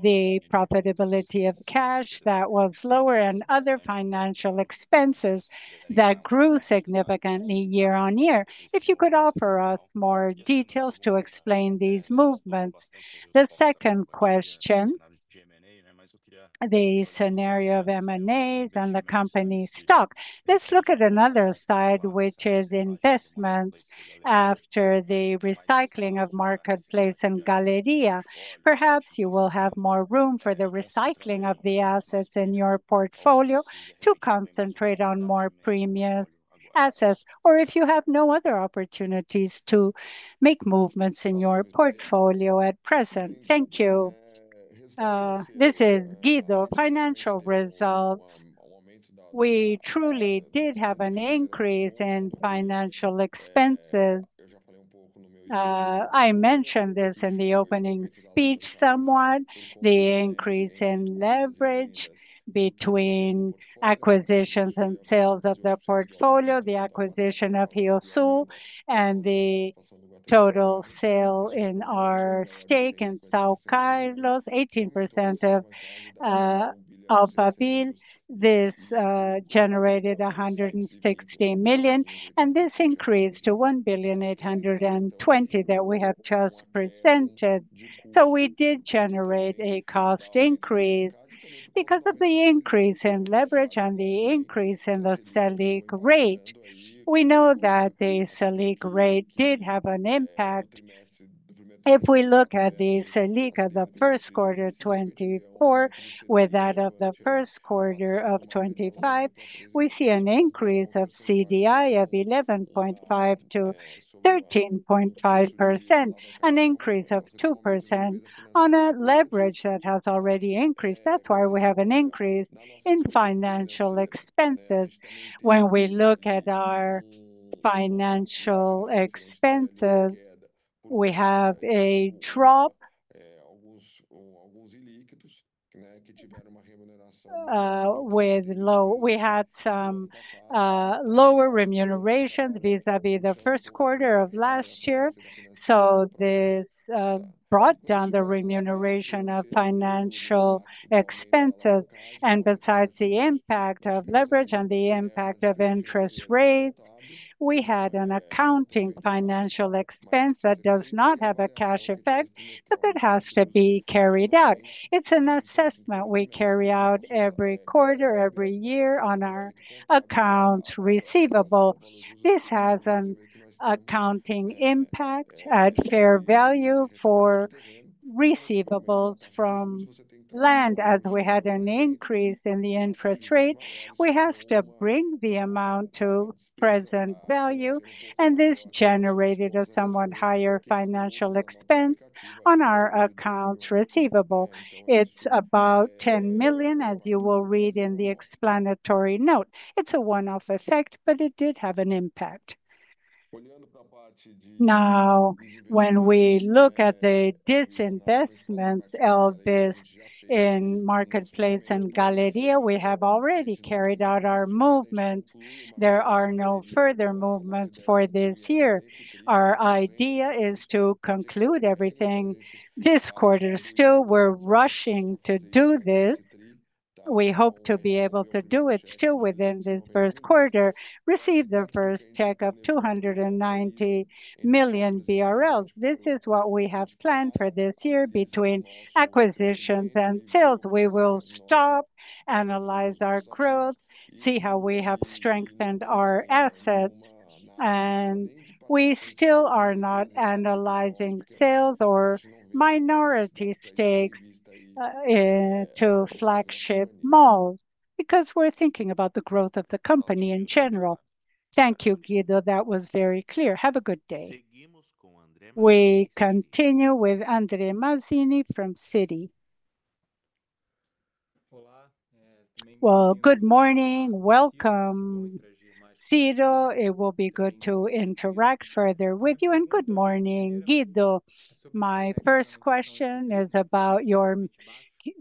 the profitability of cash that was lower and other financial expenses that grew significantly year on year. If you could offer us more details to explain these movements. The second question, the scenario of M&A and the company stock. Let's look at another side which is in investments. After the recycling of Marketplace and Galeria, perhaps you will have more room for the recycling of the assets in your portfolio to concentrate on more premium assets or if you have no other opportunities to make movements in your portfolio at present. Thank you. This is Guido. Financial results. We truly did have an increase in financial expenses. I mentioned this in the opening speech somewhat, the increase in leverage between acquisitions and sales of the portfolio, the acquisition of Rio Sul and the total sale in our stake in São Carlos, 18% of this generated 116 million and this increased to 1 billion 820 million that we have just presented. We did generate a cost increase because of the increase in leverage and the increase in the SELIC rate. We know that the SELIC rate did have an impact. If we look at the SELIC of 1Q2020 with that of 1Q2025, we see an increase of CDI of 11.5% to 13.5%. An increase of 2% on a leverage that has already increased. That is why we have an increase in financial expenses. When we look at our financial expenses, we have a trust drop. With low. We had some lower remuneration vis a vis the first quarter of last year. This brought down the remuneration of financial expenses. Besides the impact of leverage and the impact of interest rates, we had an accounting financial expense that does not have a cash effect, but that has to be carried out. It's an assessment we carry out every quarter, every year on our accounts receivable. This has an accounting impact at fair value for receivables from land. As we had an increase in the interest rate, we have to bring the amount to present value. This generated a somewhat higher financial expense on our accounts receivable. It's about 10 million. As you will read in the explanatory note, it's a one off effect, but it did have an impact. Now when we look at the disinvestments of this in Marketplace and Galeria, we have already carried out our move to there are no further movements for this year. Our idea is to conclude everything this quarter. Still we're rushing to do this. We hope to be able to do it still within this first quarter receive the first check of 290 million BRL. This is what we have planned for this year. Between acquisitions and silt, we will stop up, analyze our growth, see how we have strengthened our assets and we still are not analyzing sales or minority stakes to flagship malls because we're thinking about the growth of the company in general. Thank you, Guido. That was very clear. Have a good day. We continue with Andre Mazini from Citi. Good morning. Welcome Ciro. It will be good to interact further with you and good morning. Guido, my first question is about your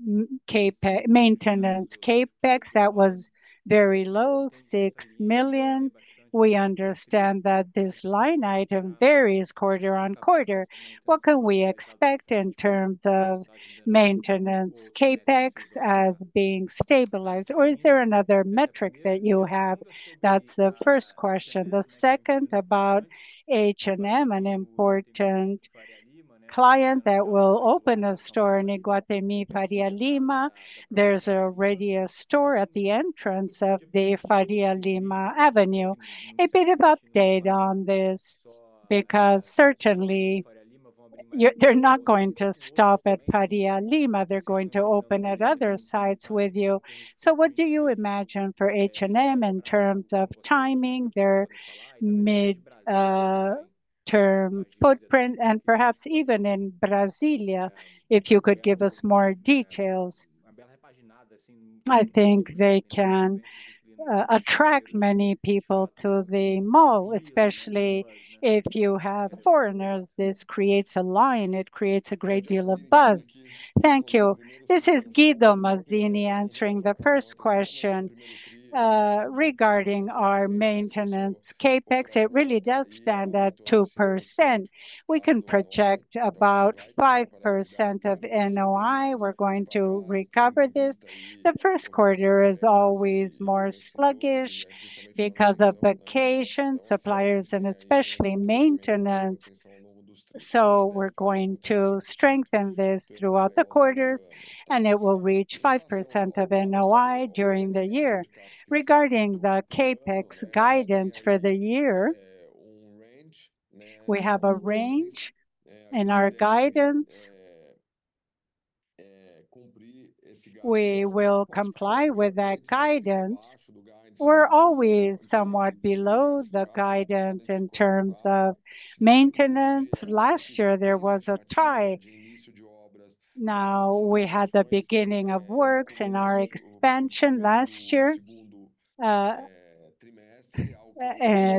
maintenance CapEx. That was very low, 6 million. We understand that this line item varies quarter on quarter. What can we expect in terms of maintenance CapEx as being stabilized? Or is there another metric that you have? That's the first question. The second about H&M, an important client that will open a store in Iguatemi Faria Lima. There's already a store at the entrance of the Faria Lima avenue. A bit of update on this because certainly they're not going to stop at Faria Lima, they're going to open at other sites with you. What do you imagine for H&M in terms of timing, their mid term footprint and perhaps even in Brasilia? If you could give us more details. I think they can attract many people to the mall, especially if you have foreigners. This creates a line. It creates a great deal of buzz. Thank you. This is Guido Oliveira answering the first question regarding our maintenance CapEx. It really does stand at 2%. We can project about 5% of NOI. We're going to recover this. The first quarter is always more sluggish because of vacation suppliers and especially maintenance. We're going to strengthen this throughout the quarter and it will reach 5% of NOI during the year. Regarding the CapEx guidance for the year, we have a range in our guidance. We will comply with that guidance. We're always somewhat below the guidance in terms of maintenance. Last year there was a tie. Now we had the beginning of works in our expansion last year at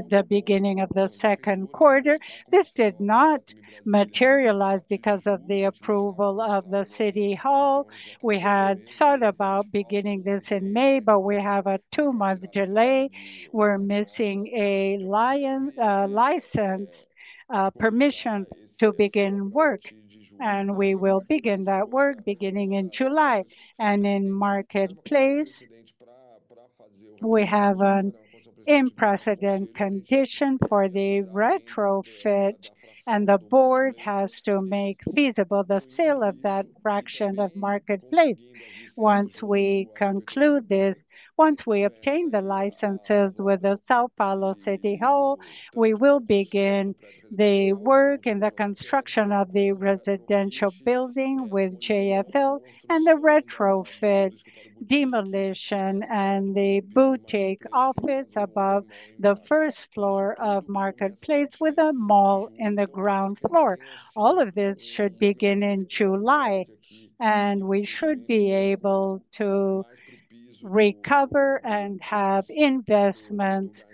the beginning of the second quarter. This did not materialize because of the approval of the City Hall. We had thought about beginning this in May, but we had a two month delay. We're missing a LION license permission to begin work and we will begin that work beginning in July. In Marketplace we have an impressed condition for the retrofit and the board has to make feasible the sale of that fraction of Marketplace place. Once we conclude this, once we obtain the licenses with the São Paulo City Hall, we will begin the work in the construction of the residential building with JFL and the retrofit demolition and the boutique office above the first floor of Marketplace with a mall in the ground floor. All of this should begin in July and we should be able to recover and have investment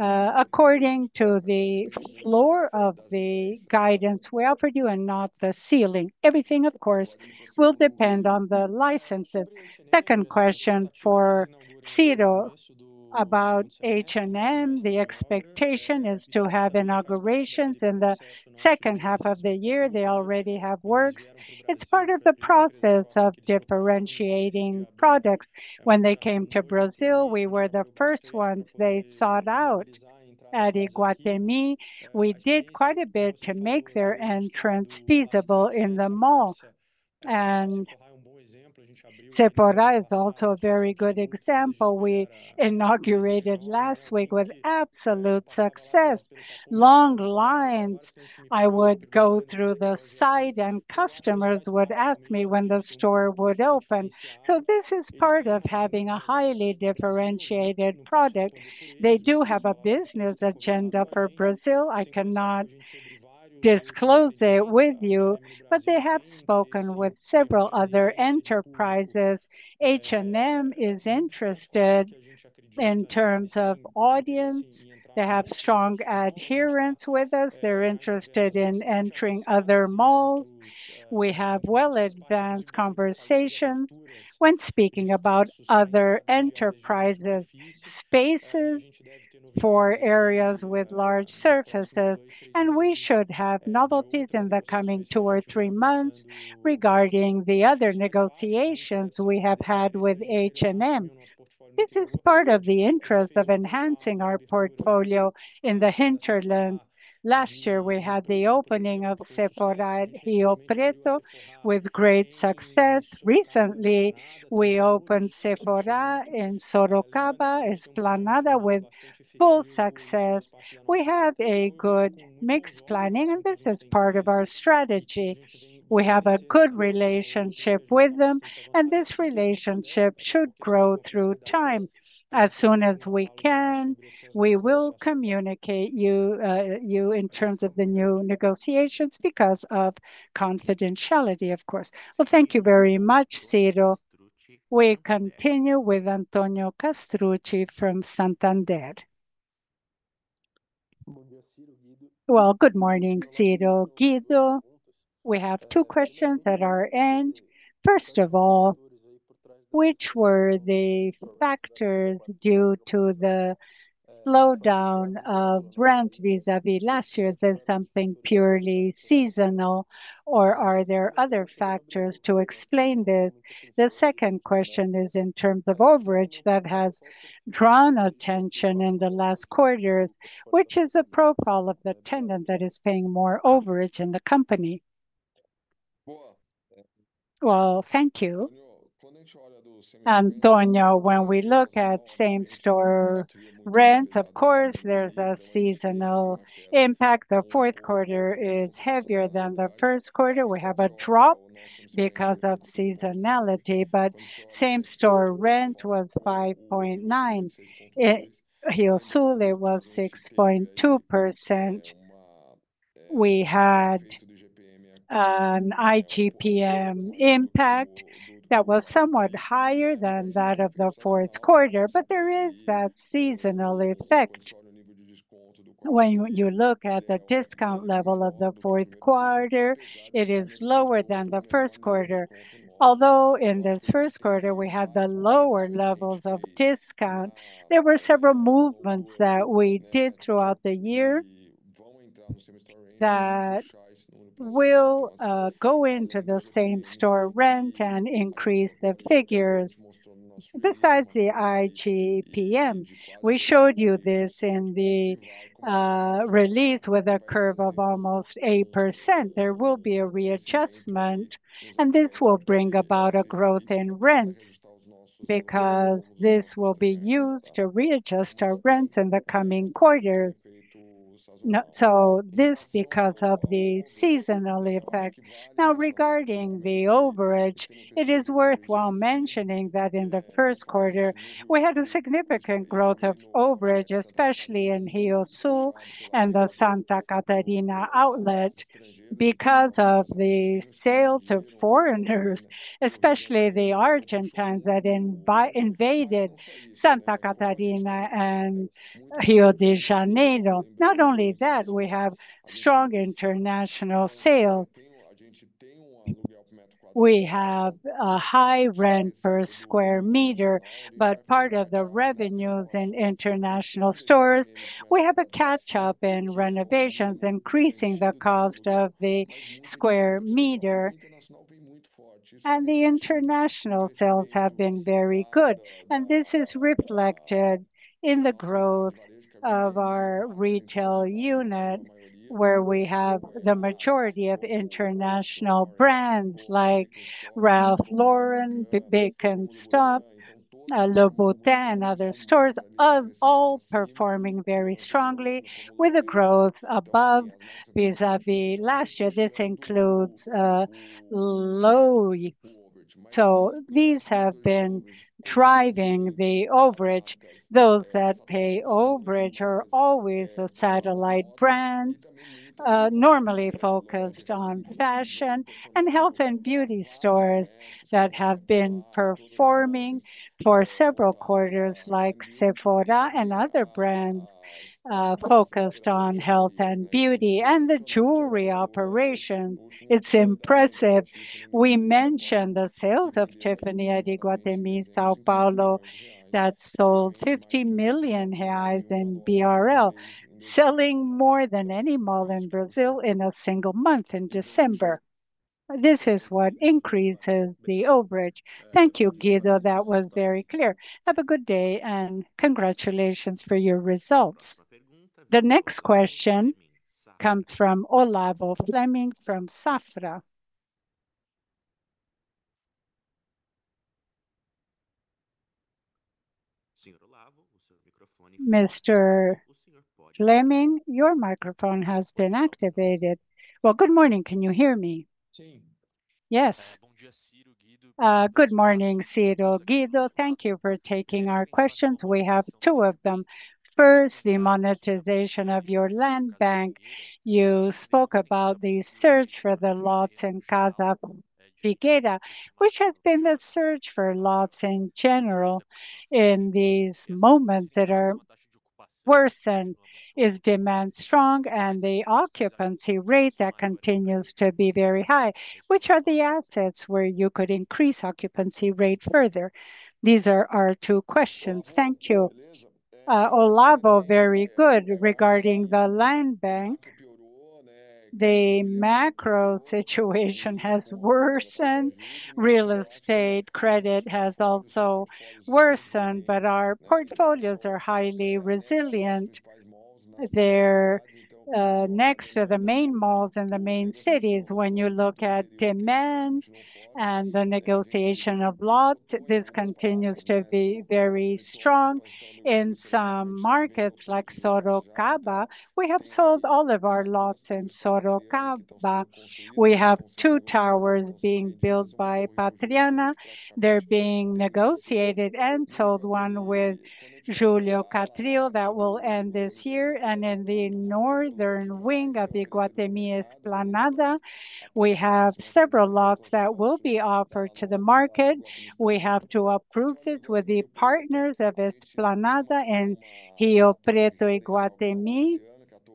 according to the floor of the guidance we offered you and not the ceiling. Everything, of course, will depend on the licenses. Second question for Ciro about H&M. The expectation is to have inaugurations in the second half of the year. They already have works. It is part of the process of differentiating products. When they came to Brazil, we were the first ones they sought out at Iguatemi. We did quite a bit to make their entrance feasible in the mall. Sephora is also a very good example. We inaugurated last week with absolute success. Long lines. I would go through the site and customers would ask me when the store would open. This is part of having a highly differentiated product. They do have a business agenda for Brazil. I cannot disclose it with you, but they have spoken with several other enterprises. H&M is interested in terms of audience. They have strong adherence with us. They are interested in entering other malls. We have well advanced conversations when speaking about other enterprises. Spaces for areas with large surfaces and we should have novelties in the coming two or three months. Regarding the other negotiations we have had with H&M. This is part of the interest of enhancing our portfolio in the hinterland. Last year we had the opening of Sephora Rio Preto with great success. Recently we opened Sephora in Sorocaba, Esplanada with full success. We had a good mix planning and this is part of our strategy. We have a good relationship with them and this relationship should grow through time. As soon as we can, we will communicate you in terms of the new negotiations. Because of confidentiality, of course. Thank you very much, Ciro. We continue with Antonio Castrucci from Santander. Good morning, Ciro, Guido. We have two questions at our end. First of all, which were the factors due to the slowdown of rent vis a vis last year? Is this something purely seasonal or are there other factors to explain this? The second question is in terms of overage that has drawn attention in the last quarters, which is a profile of the tenant that is paying more overage in the company. Thank you, Antonio. When we look at same store rents, of course there's a seasonal impact. The fourth quarter is heavier than the first quarter. We have a drop because of seasonality, but same store rent was 5.9%, it was 6.2%. We had an IGP-M impact that was somewhat higher than that of the fourth quarter. There is that seasonal effect. When you look at the discount level of the fourth quarter, it is lower than the first quarter. Although in the first quarter we had the lower levels of discount. There were several movements that we did throughout the year that will go into the same store rent and increase the figures. Besides the IGP-M, we showed you this in the release. With a curve of almost 8%, there will be a readjustment and this will bring about a growth in rents because this will be used to readjust our rents in the coming quarters. This is because of the seasonal effect. Now, regarding the overage, it is worthwhile mentioning that in the first quarter we had a significant growth of overage, especially in Heel Switch and the Santa Catarina outlet, because of the sale to foreigners, especially the Argentines that invaded Santa Catarina and Rio de Janeiro. Not only that, we have strong international sales. We have a high rent per square meter, but part of the revenues in international stores. We have a catch up in renovations, increasing the cost of the square meter. The international sales have been very good. This is reflected in the growth of our retail unit where we have the majority of international brands like Ralph Lauren, Big Ten Stop, and other stores all performing very strongly with growth above vis a vis last year. This includes low. These have been driving the overage. Those that pay overage are always a satellite brand normally focused on fast fashion and health and beauty stores that have been performing for several quarters like Sephora and other brands focused on health and beauty and the jewelry operations. It's impressive. We mentioned the sales of Tiffany at Iguatemi São Paulo that sold 50 million reais, selling more than any mall in Brazil in a single month in December. This is what increases the overage. Thank you, Guido. That was very clear. Have a good day and congratulations for your results. The next question comes from Olavo Fleming from Safra. Mr. Fleming, your microphone has been activated. Good morning. Can you hear me? Yes, good morning. Ciro, Guido. Thank you for taking our questions. We have two of them. First, the monetization of your land bank. You spoke about the search for the lots in Casa Figueira, which has been a search for lots in general, in these moments that are worsened, is demand strong and the occupancy rate that continues to be very high, which are the assets where you could increase occupancy rate further. These are our two questions. Thank you, Olavo. Very good. Regarding the land bank, the macro situation has worsened. Real estate credit has also worsened. Our portfolios are highly resilient. They're next to the main malls, in the main cities. When you look at demand and the negotiation of lot, this continues to be very strong. In some markets, like Sorocaba, we have sold all of our lots. In Sorocaba we have two towers being built by Patriana. They're being built, negotiated and sold. One with Julio Catrillo that will end this year. In the northern wing of the Iguatemi Esplanada, we have several lots that will be offered to the market. We have to approve this with the partners of Esplanada and Rio Preto.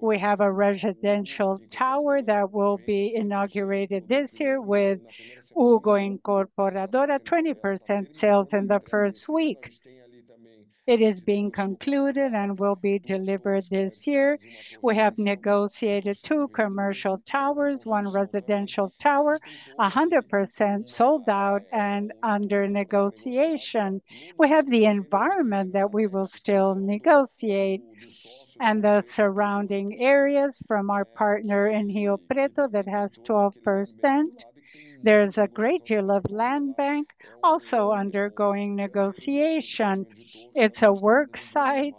We have a residential tower that will be inaugurated this year with Hugo Incorporadora. 20% sales in the first week. It is being concluded and will be delivered this year. We have negotiated two commercial towers, one residential tower, 100% sold out and under negotiation. We have the environment that we will still negotiate and the surrounding areas from our partner in healing, that has 12%. There's a great deal of land bank also undergoing negotiation. It's a work site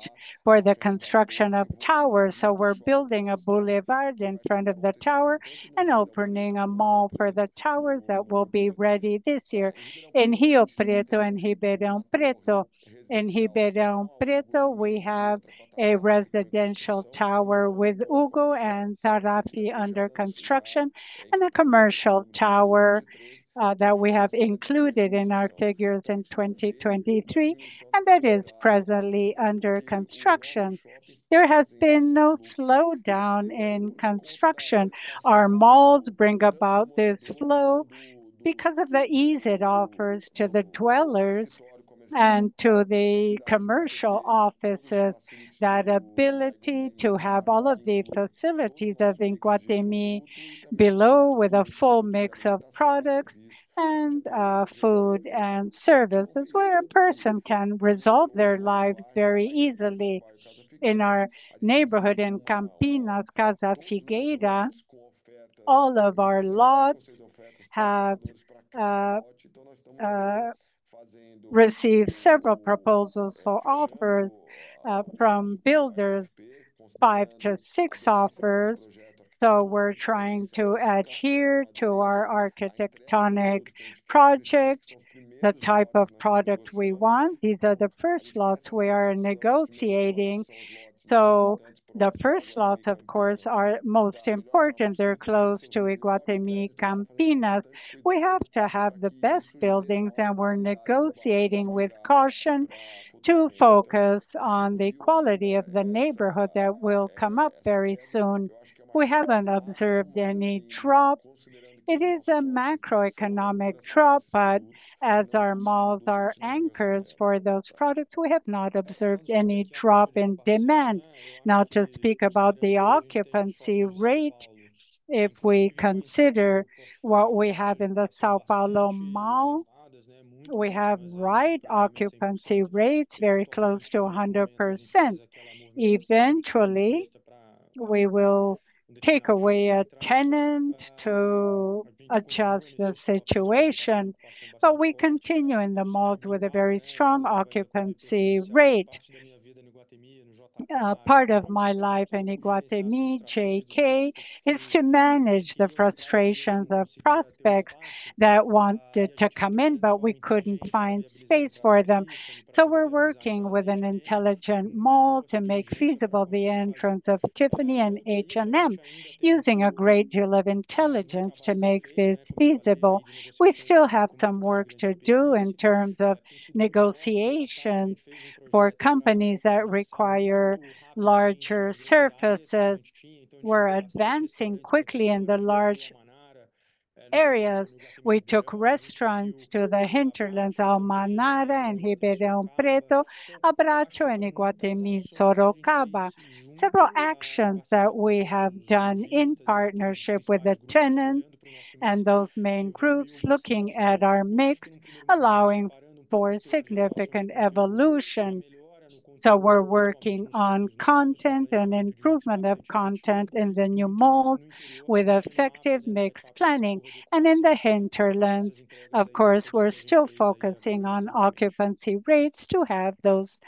for the construction of towers. We are building a boulevard in front of the tower and opening a mall for the towers that will be ready this year in Rio Preto. In Rio Preto we have a residential tower with Ugo and Sarapi under construction and a commercial tower that we have included in our figures in 2023 and that is presently under construction. There has been no slowdown in construction. Our malls bring about this flow because of the ease it offers to the dwellers and to the commercial. Commercial offices. That ability to have all of the facilities of Iguatemi below, with a full mix of products and food and services, where a person can resolve their lives very easily. In our neighborhood, in Campinas Casa Figueira, all of our lots have received several proposals for offers from builders. Five to six offers. We are trying to adhere to our architectonic project, the type of product we want. These are the first lots we are negotiating. The first lots, of course, are most important. They are close to Iguatemi Campinas, close. We have to have the best buildings and we are negotiating with caution to focus on the quality of the neighborhood that will come up very soon. We have not observed any drops. It is a macroeconomic drop. As our malls are anchors for those products, we have not observed any drop in demand. Now, to speak about the occupancy rate. If we consider what we have in the São Paulo mall, we have occupancy rates very close to 100%. Eventually we will take away a tenant to adjust the situation. We continue in the malls with a very strong occupancy rate. Part of my life in Iguatemi JK is to manage the frustrations of prospects that wanted to come in, but we could not find space for them. We are working with an intelligent mall to make feasible the entrance of Tiffany and H&M, using a great deal of intelligence to make this feasible. We still have some work to do in terms of negotiations for companies that require larger surfaces. We are advancing quickly in the large areas. We took restaurants to the hinterlands, Almanada and Ribeira Abracho, and Iguatemi Sorocaba. Several actions that we have done in partnership with the tenants and those maintenance groups looking at our mix, allowing for significant evolution. We are working on content and improvement of content in the new malls with effective mix planning. In the hinterlands, of course, we are still focusing on occupancy rates to have those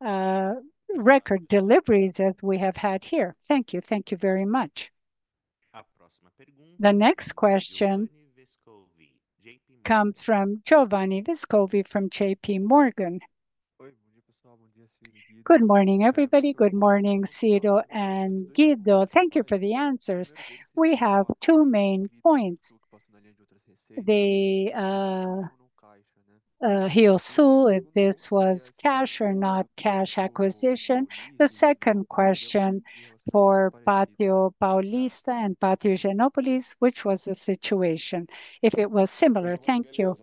record deliveries as we have had here. Thank you. Thank you very much. The next question comes from Giovanni Viscovi from JP Morgan. Good morning, everybody. Good morning. Ciro and Guido, thank you for the answers. We have two main points. The Higienópolis, if this was cash or not cash acquisition. The second question for Patio Paulista and Pátio Anália Franco, which was the situation if it was similar. Thank you.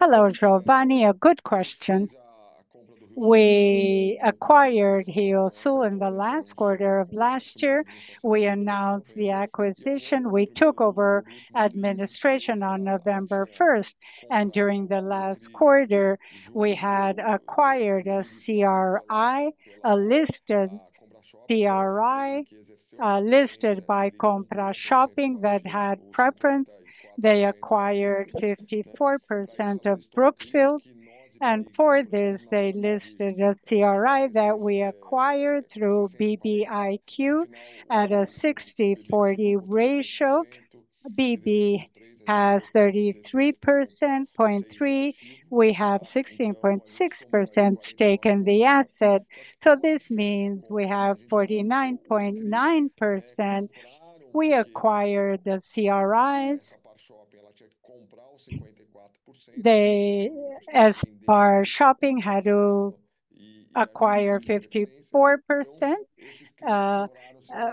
Hello, Giovanni, a good question. We acquired Higienópolis in the last quarter of last year. We announced the acquisition. We took over administration on November 1. During the last quarter we had acquired a CRI, a listed CRI listed by Compra Shopping that had preference. They acquired 54% of Brookfield and for this they listed a CRI that we acquired through BBI at a 60:40 ratio. BB has 33%. We have 16.6% stake in the asset. This means we have 49.9%. We acquired the CRIs. They as far as shopping had to acquire 54%.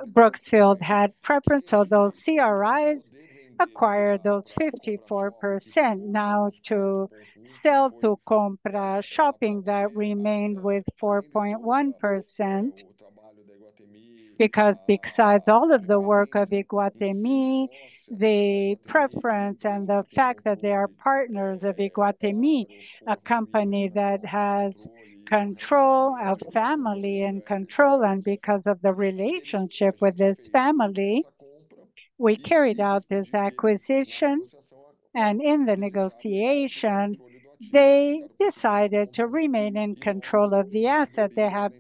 Brookfield had preference of those CRI, acquire those 54% now to sell to Compra Shopping, that remained with 4.1%. Because besides all of the work of Iguatemi, the preference and the fact that they are partners of Iguatemi, a company that has control of family and control. Because of the relationship with this family, we carried out this acquisition and in the negotiation they decided to remain in control of the asset. They have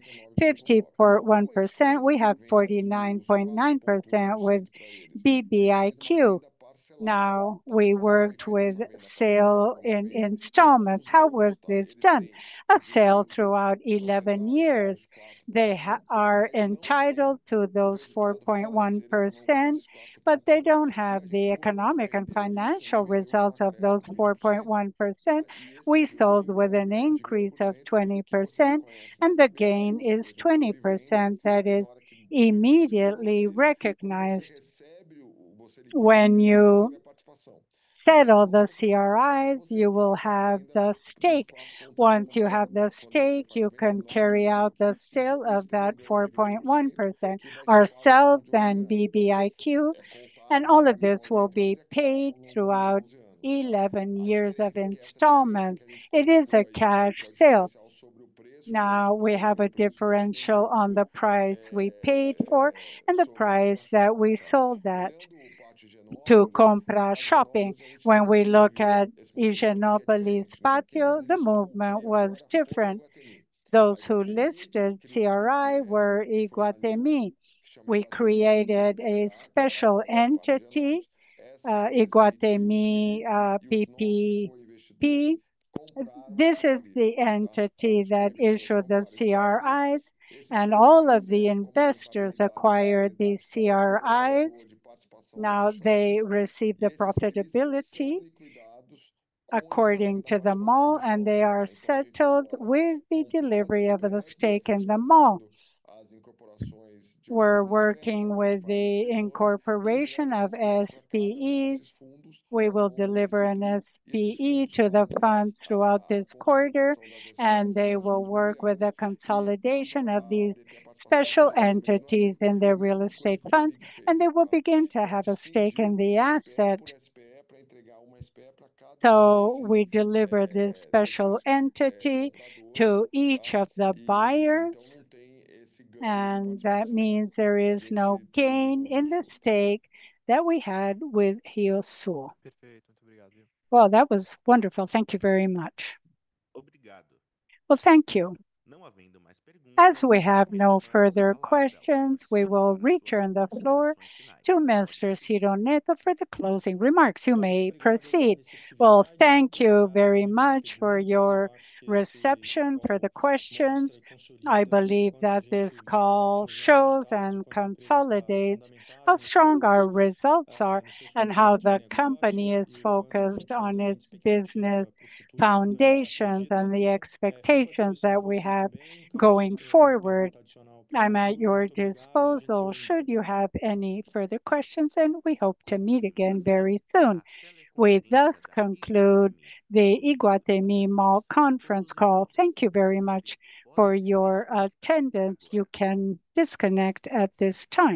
51%. We have 49.9% with BBIQ. Now we worked with sale in installments. How was this done? A sale throughout 11 years. They are entitled to those 4.1%, but they do not have the economic and financial results of those 4.1%. We sold with an increase of 20% and the gain is 20%. That is immediately recognized. When you settle the CRIs, you will have the stake. Once you have the stake, you can carry out the sale of that 4.1% ourselves and BBIQ and all of this will be paid throughout 11 years of installment. It is a cash sale. Now we have a differential on the price we paid for and the price that we sold that to Compra Shopping. When we look at Anália Franco, the movement was different. Those who listed CRI were Iguatemi. We created a special entity, Iguatemi PPP. This is the entity that issued the CRIs, and all of the investors acquired these CRIs. Now they received the profitability according to the mall and they are settled with the delivery of the stake in the mall. We're working with the incorporation of SPEs. We will deliver an SPE to the funds throughout this quarter and they will work with a consolidation of these special entities in their real estate funds and they will begin to have a stake in the asset that, so we deliver this special entity to each of the buyers. That means there is no gain in the stake that we had with Higienópolis. That was wonderful. Thank you very much. Thank you. As we have no further questions, we will return the floor to Mr. Ciro for the closing remarks. You may proceed. Thank you very much for your reception for the questions. I believe that this call shows and consolidates how strong our results are and how the company is focused on its business foundations and the expectations that we have going forward. I'm at your disposal should you have any further questions and we hope to meet again very soon. We thus conclude the Iguatemi conference call. Thank you very much for your attendance. You can disconnect at this time.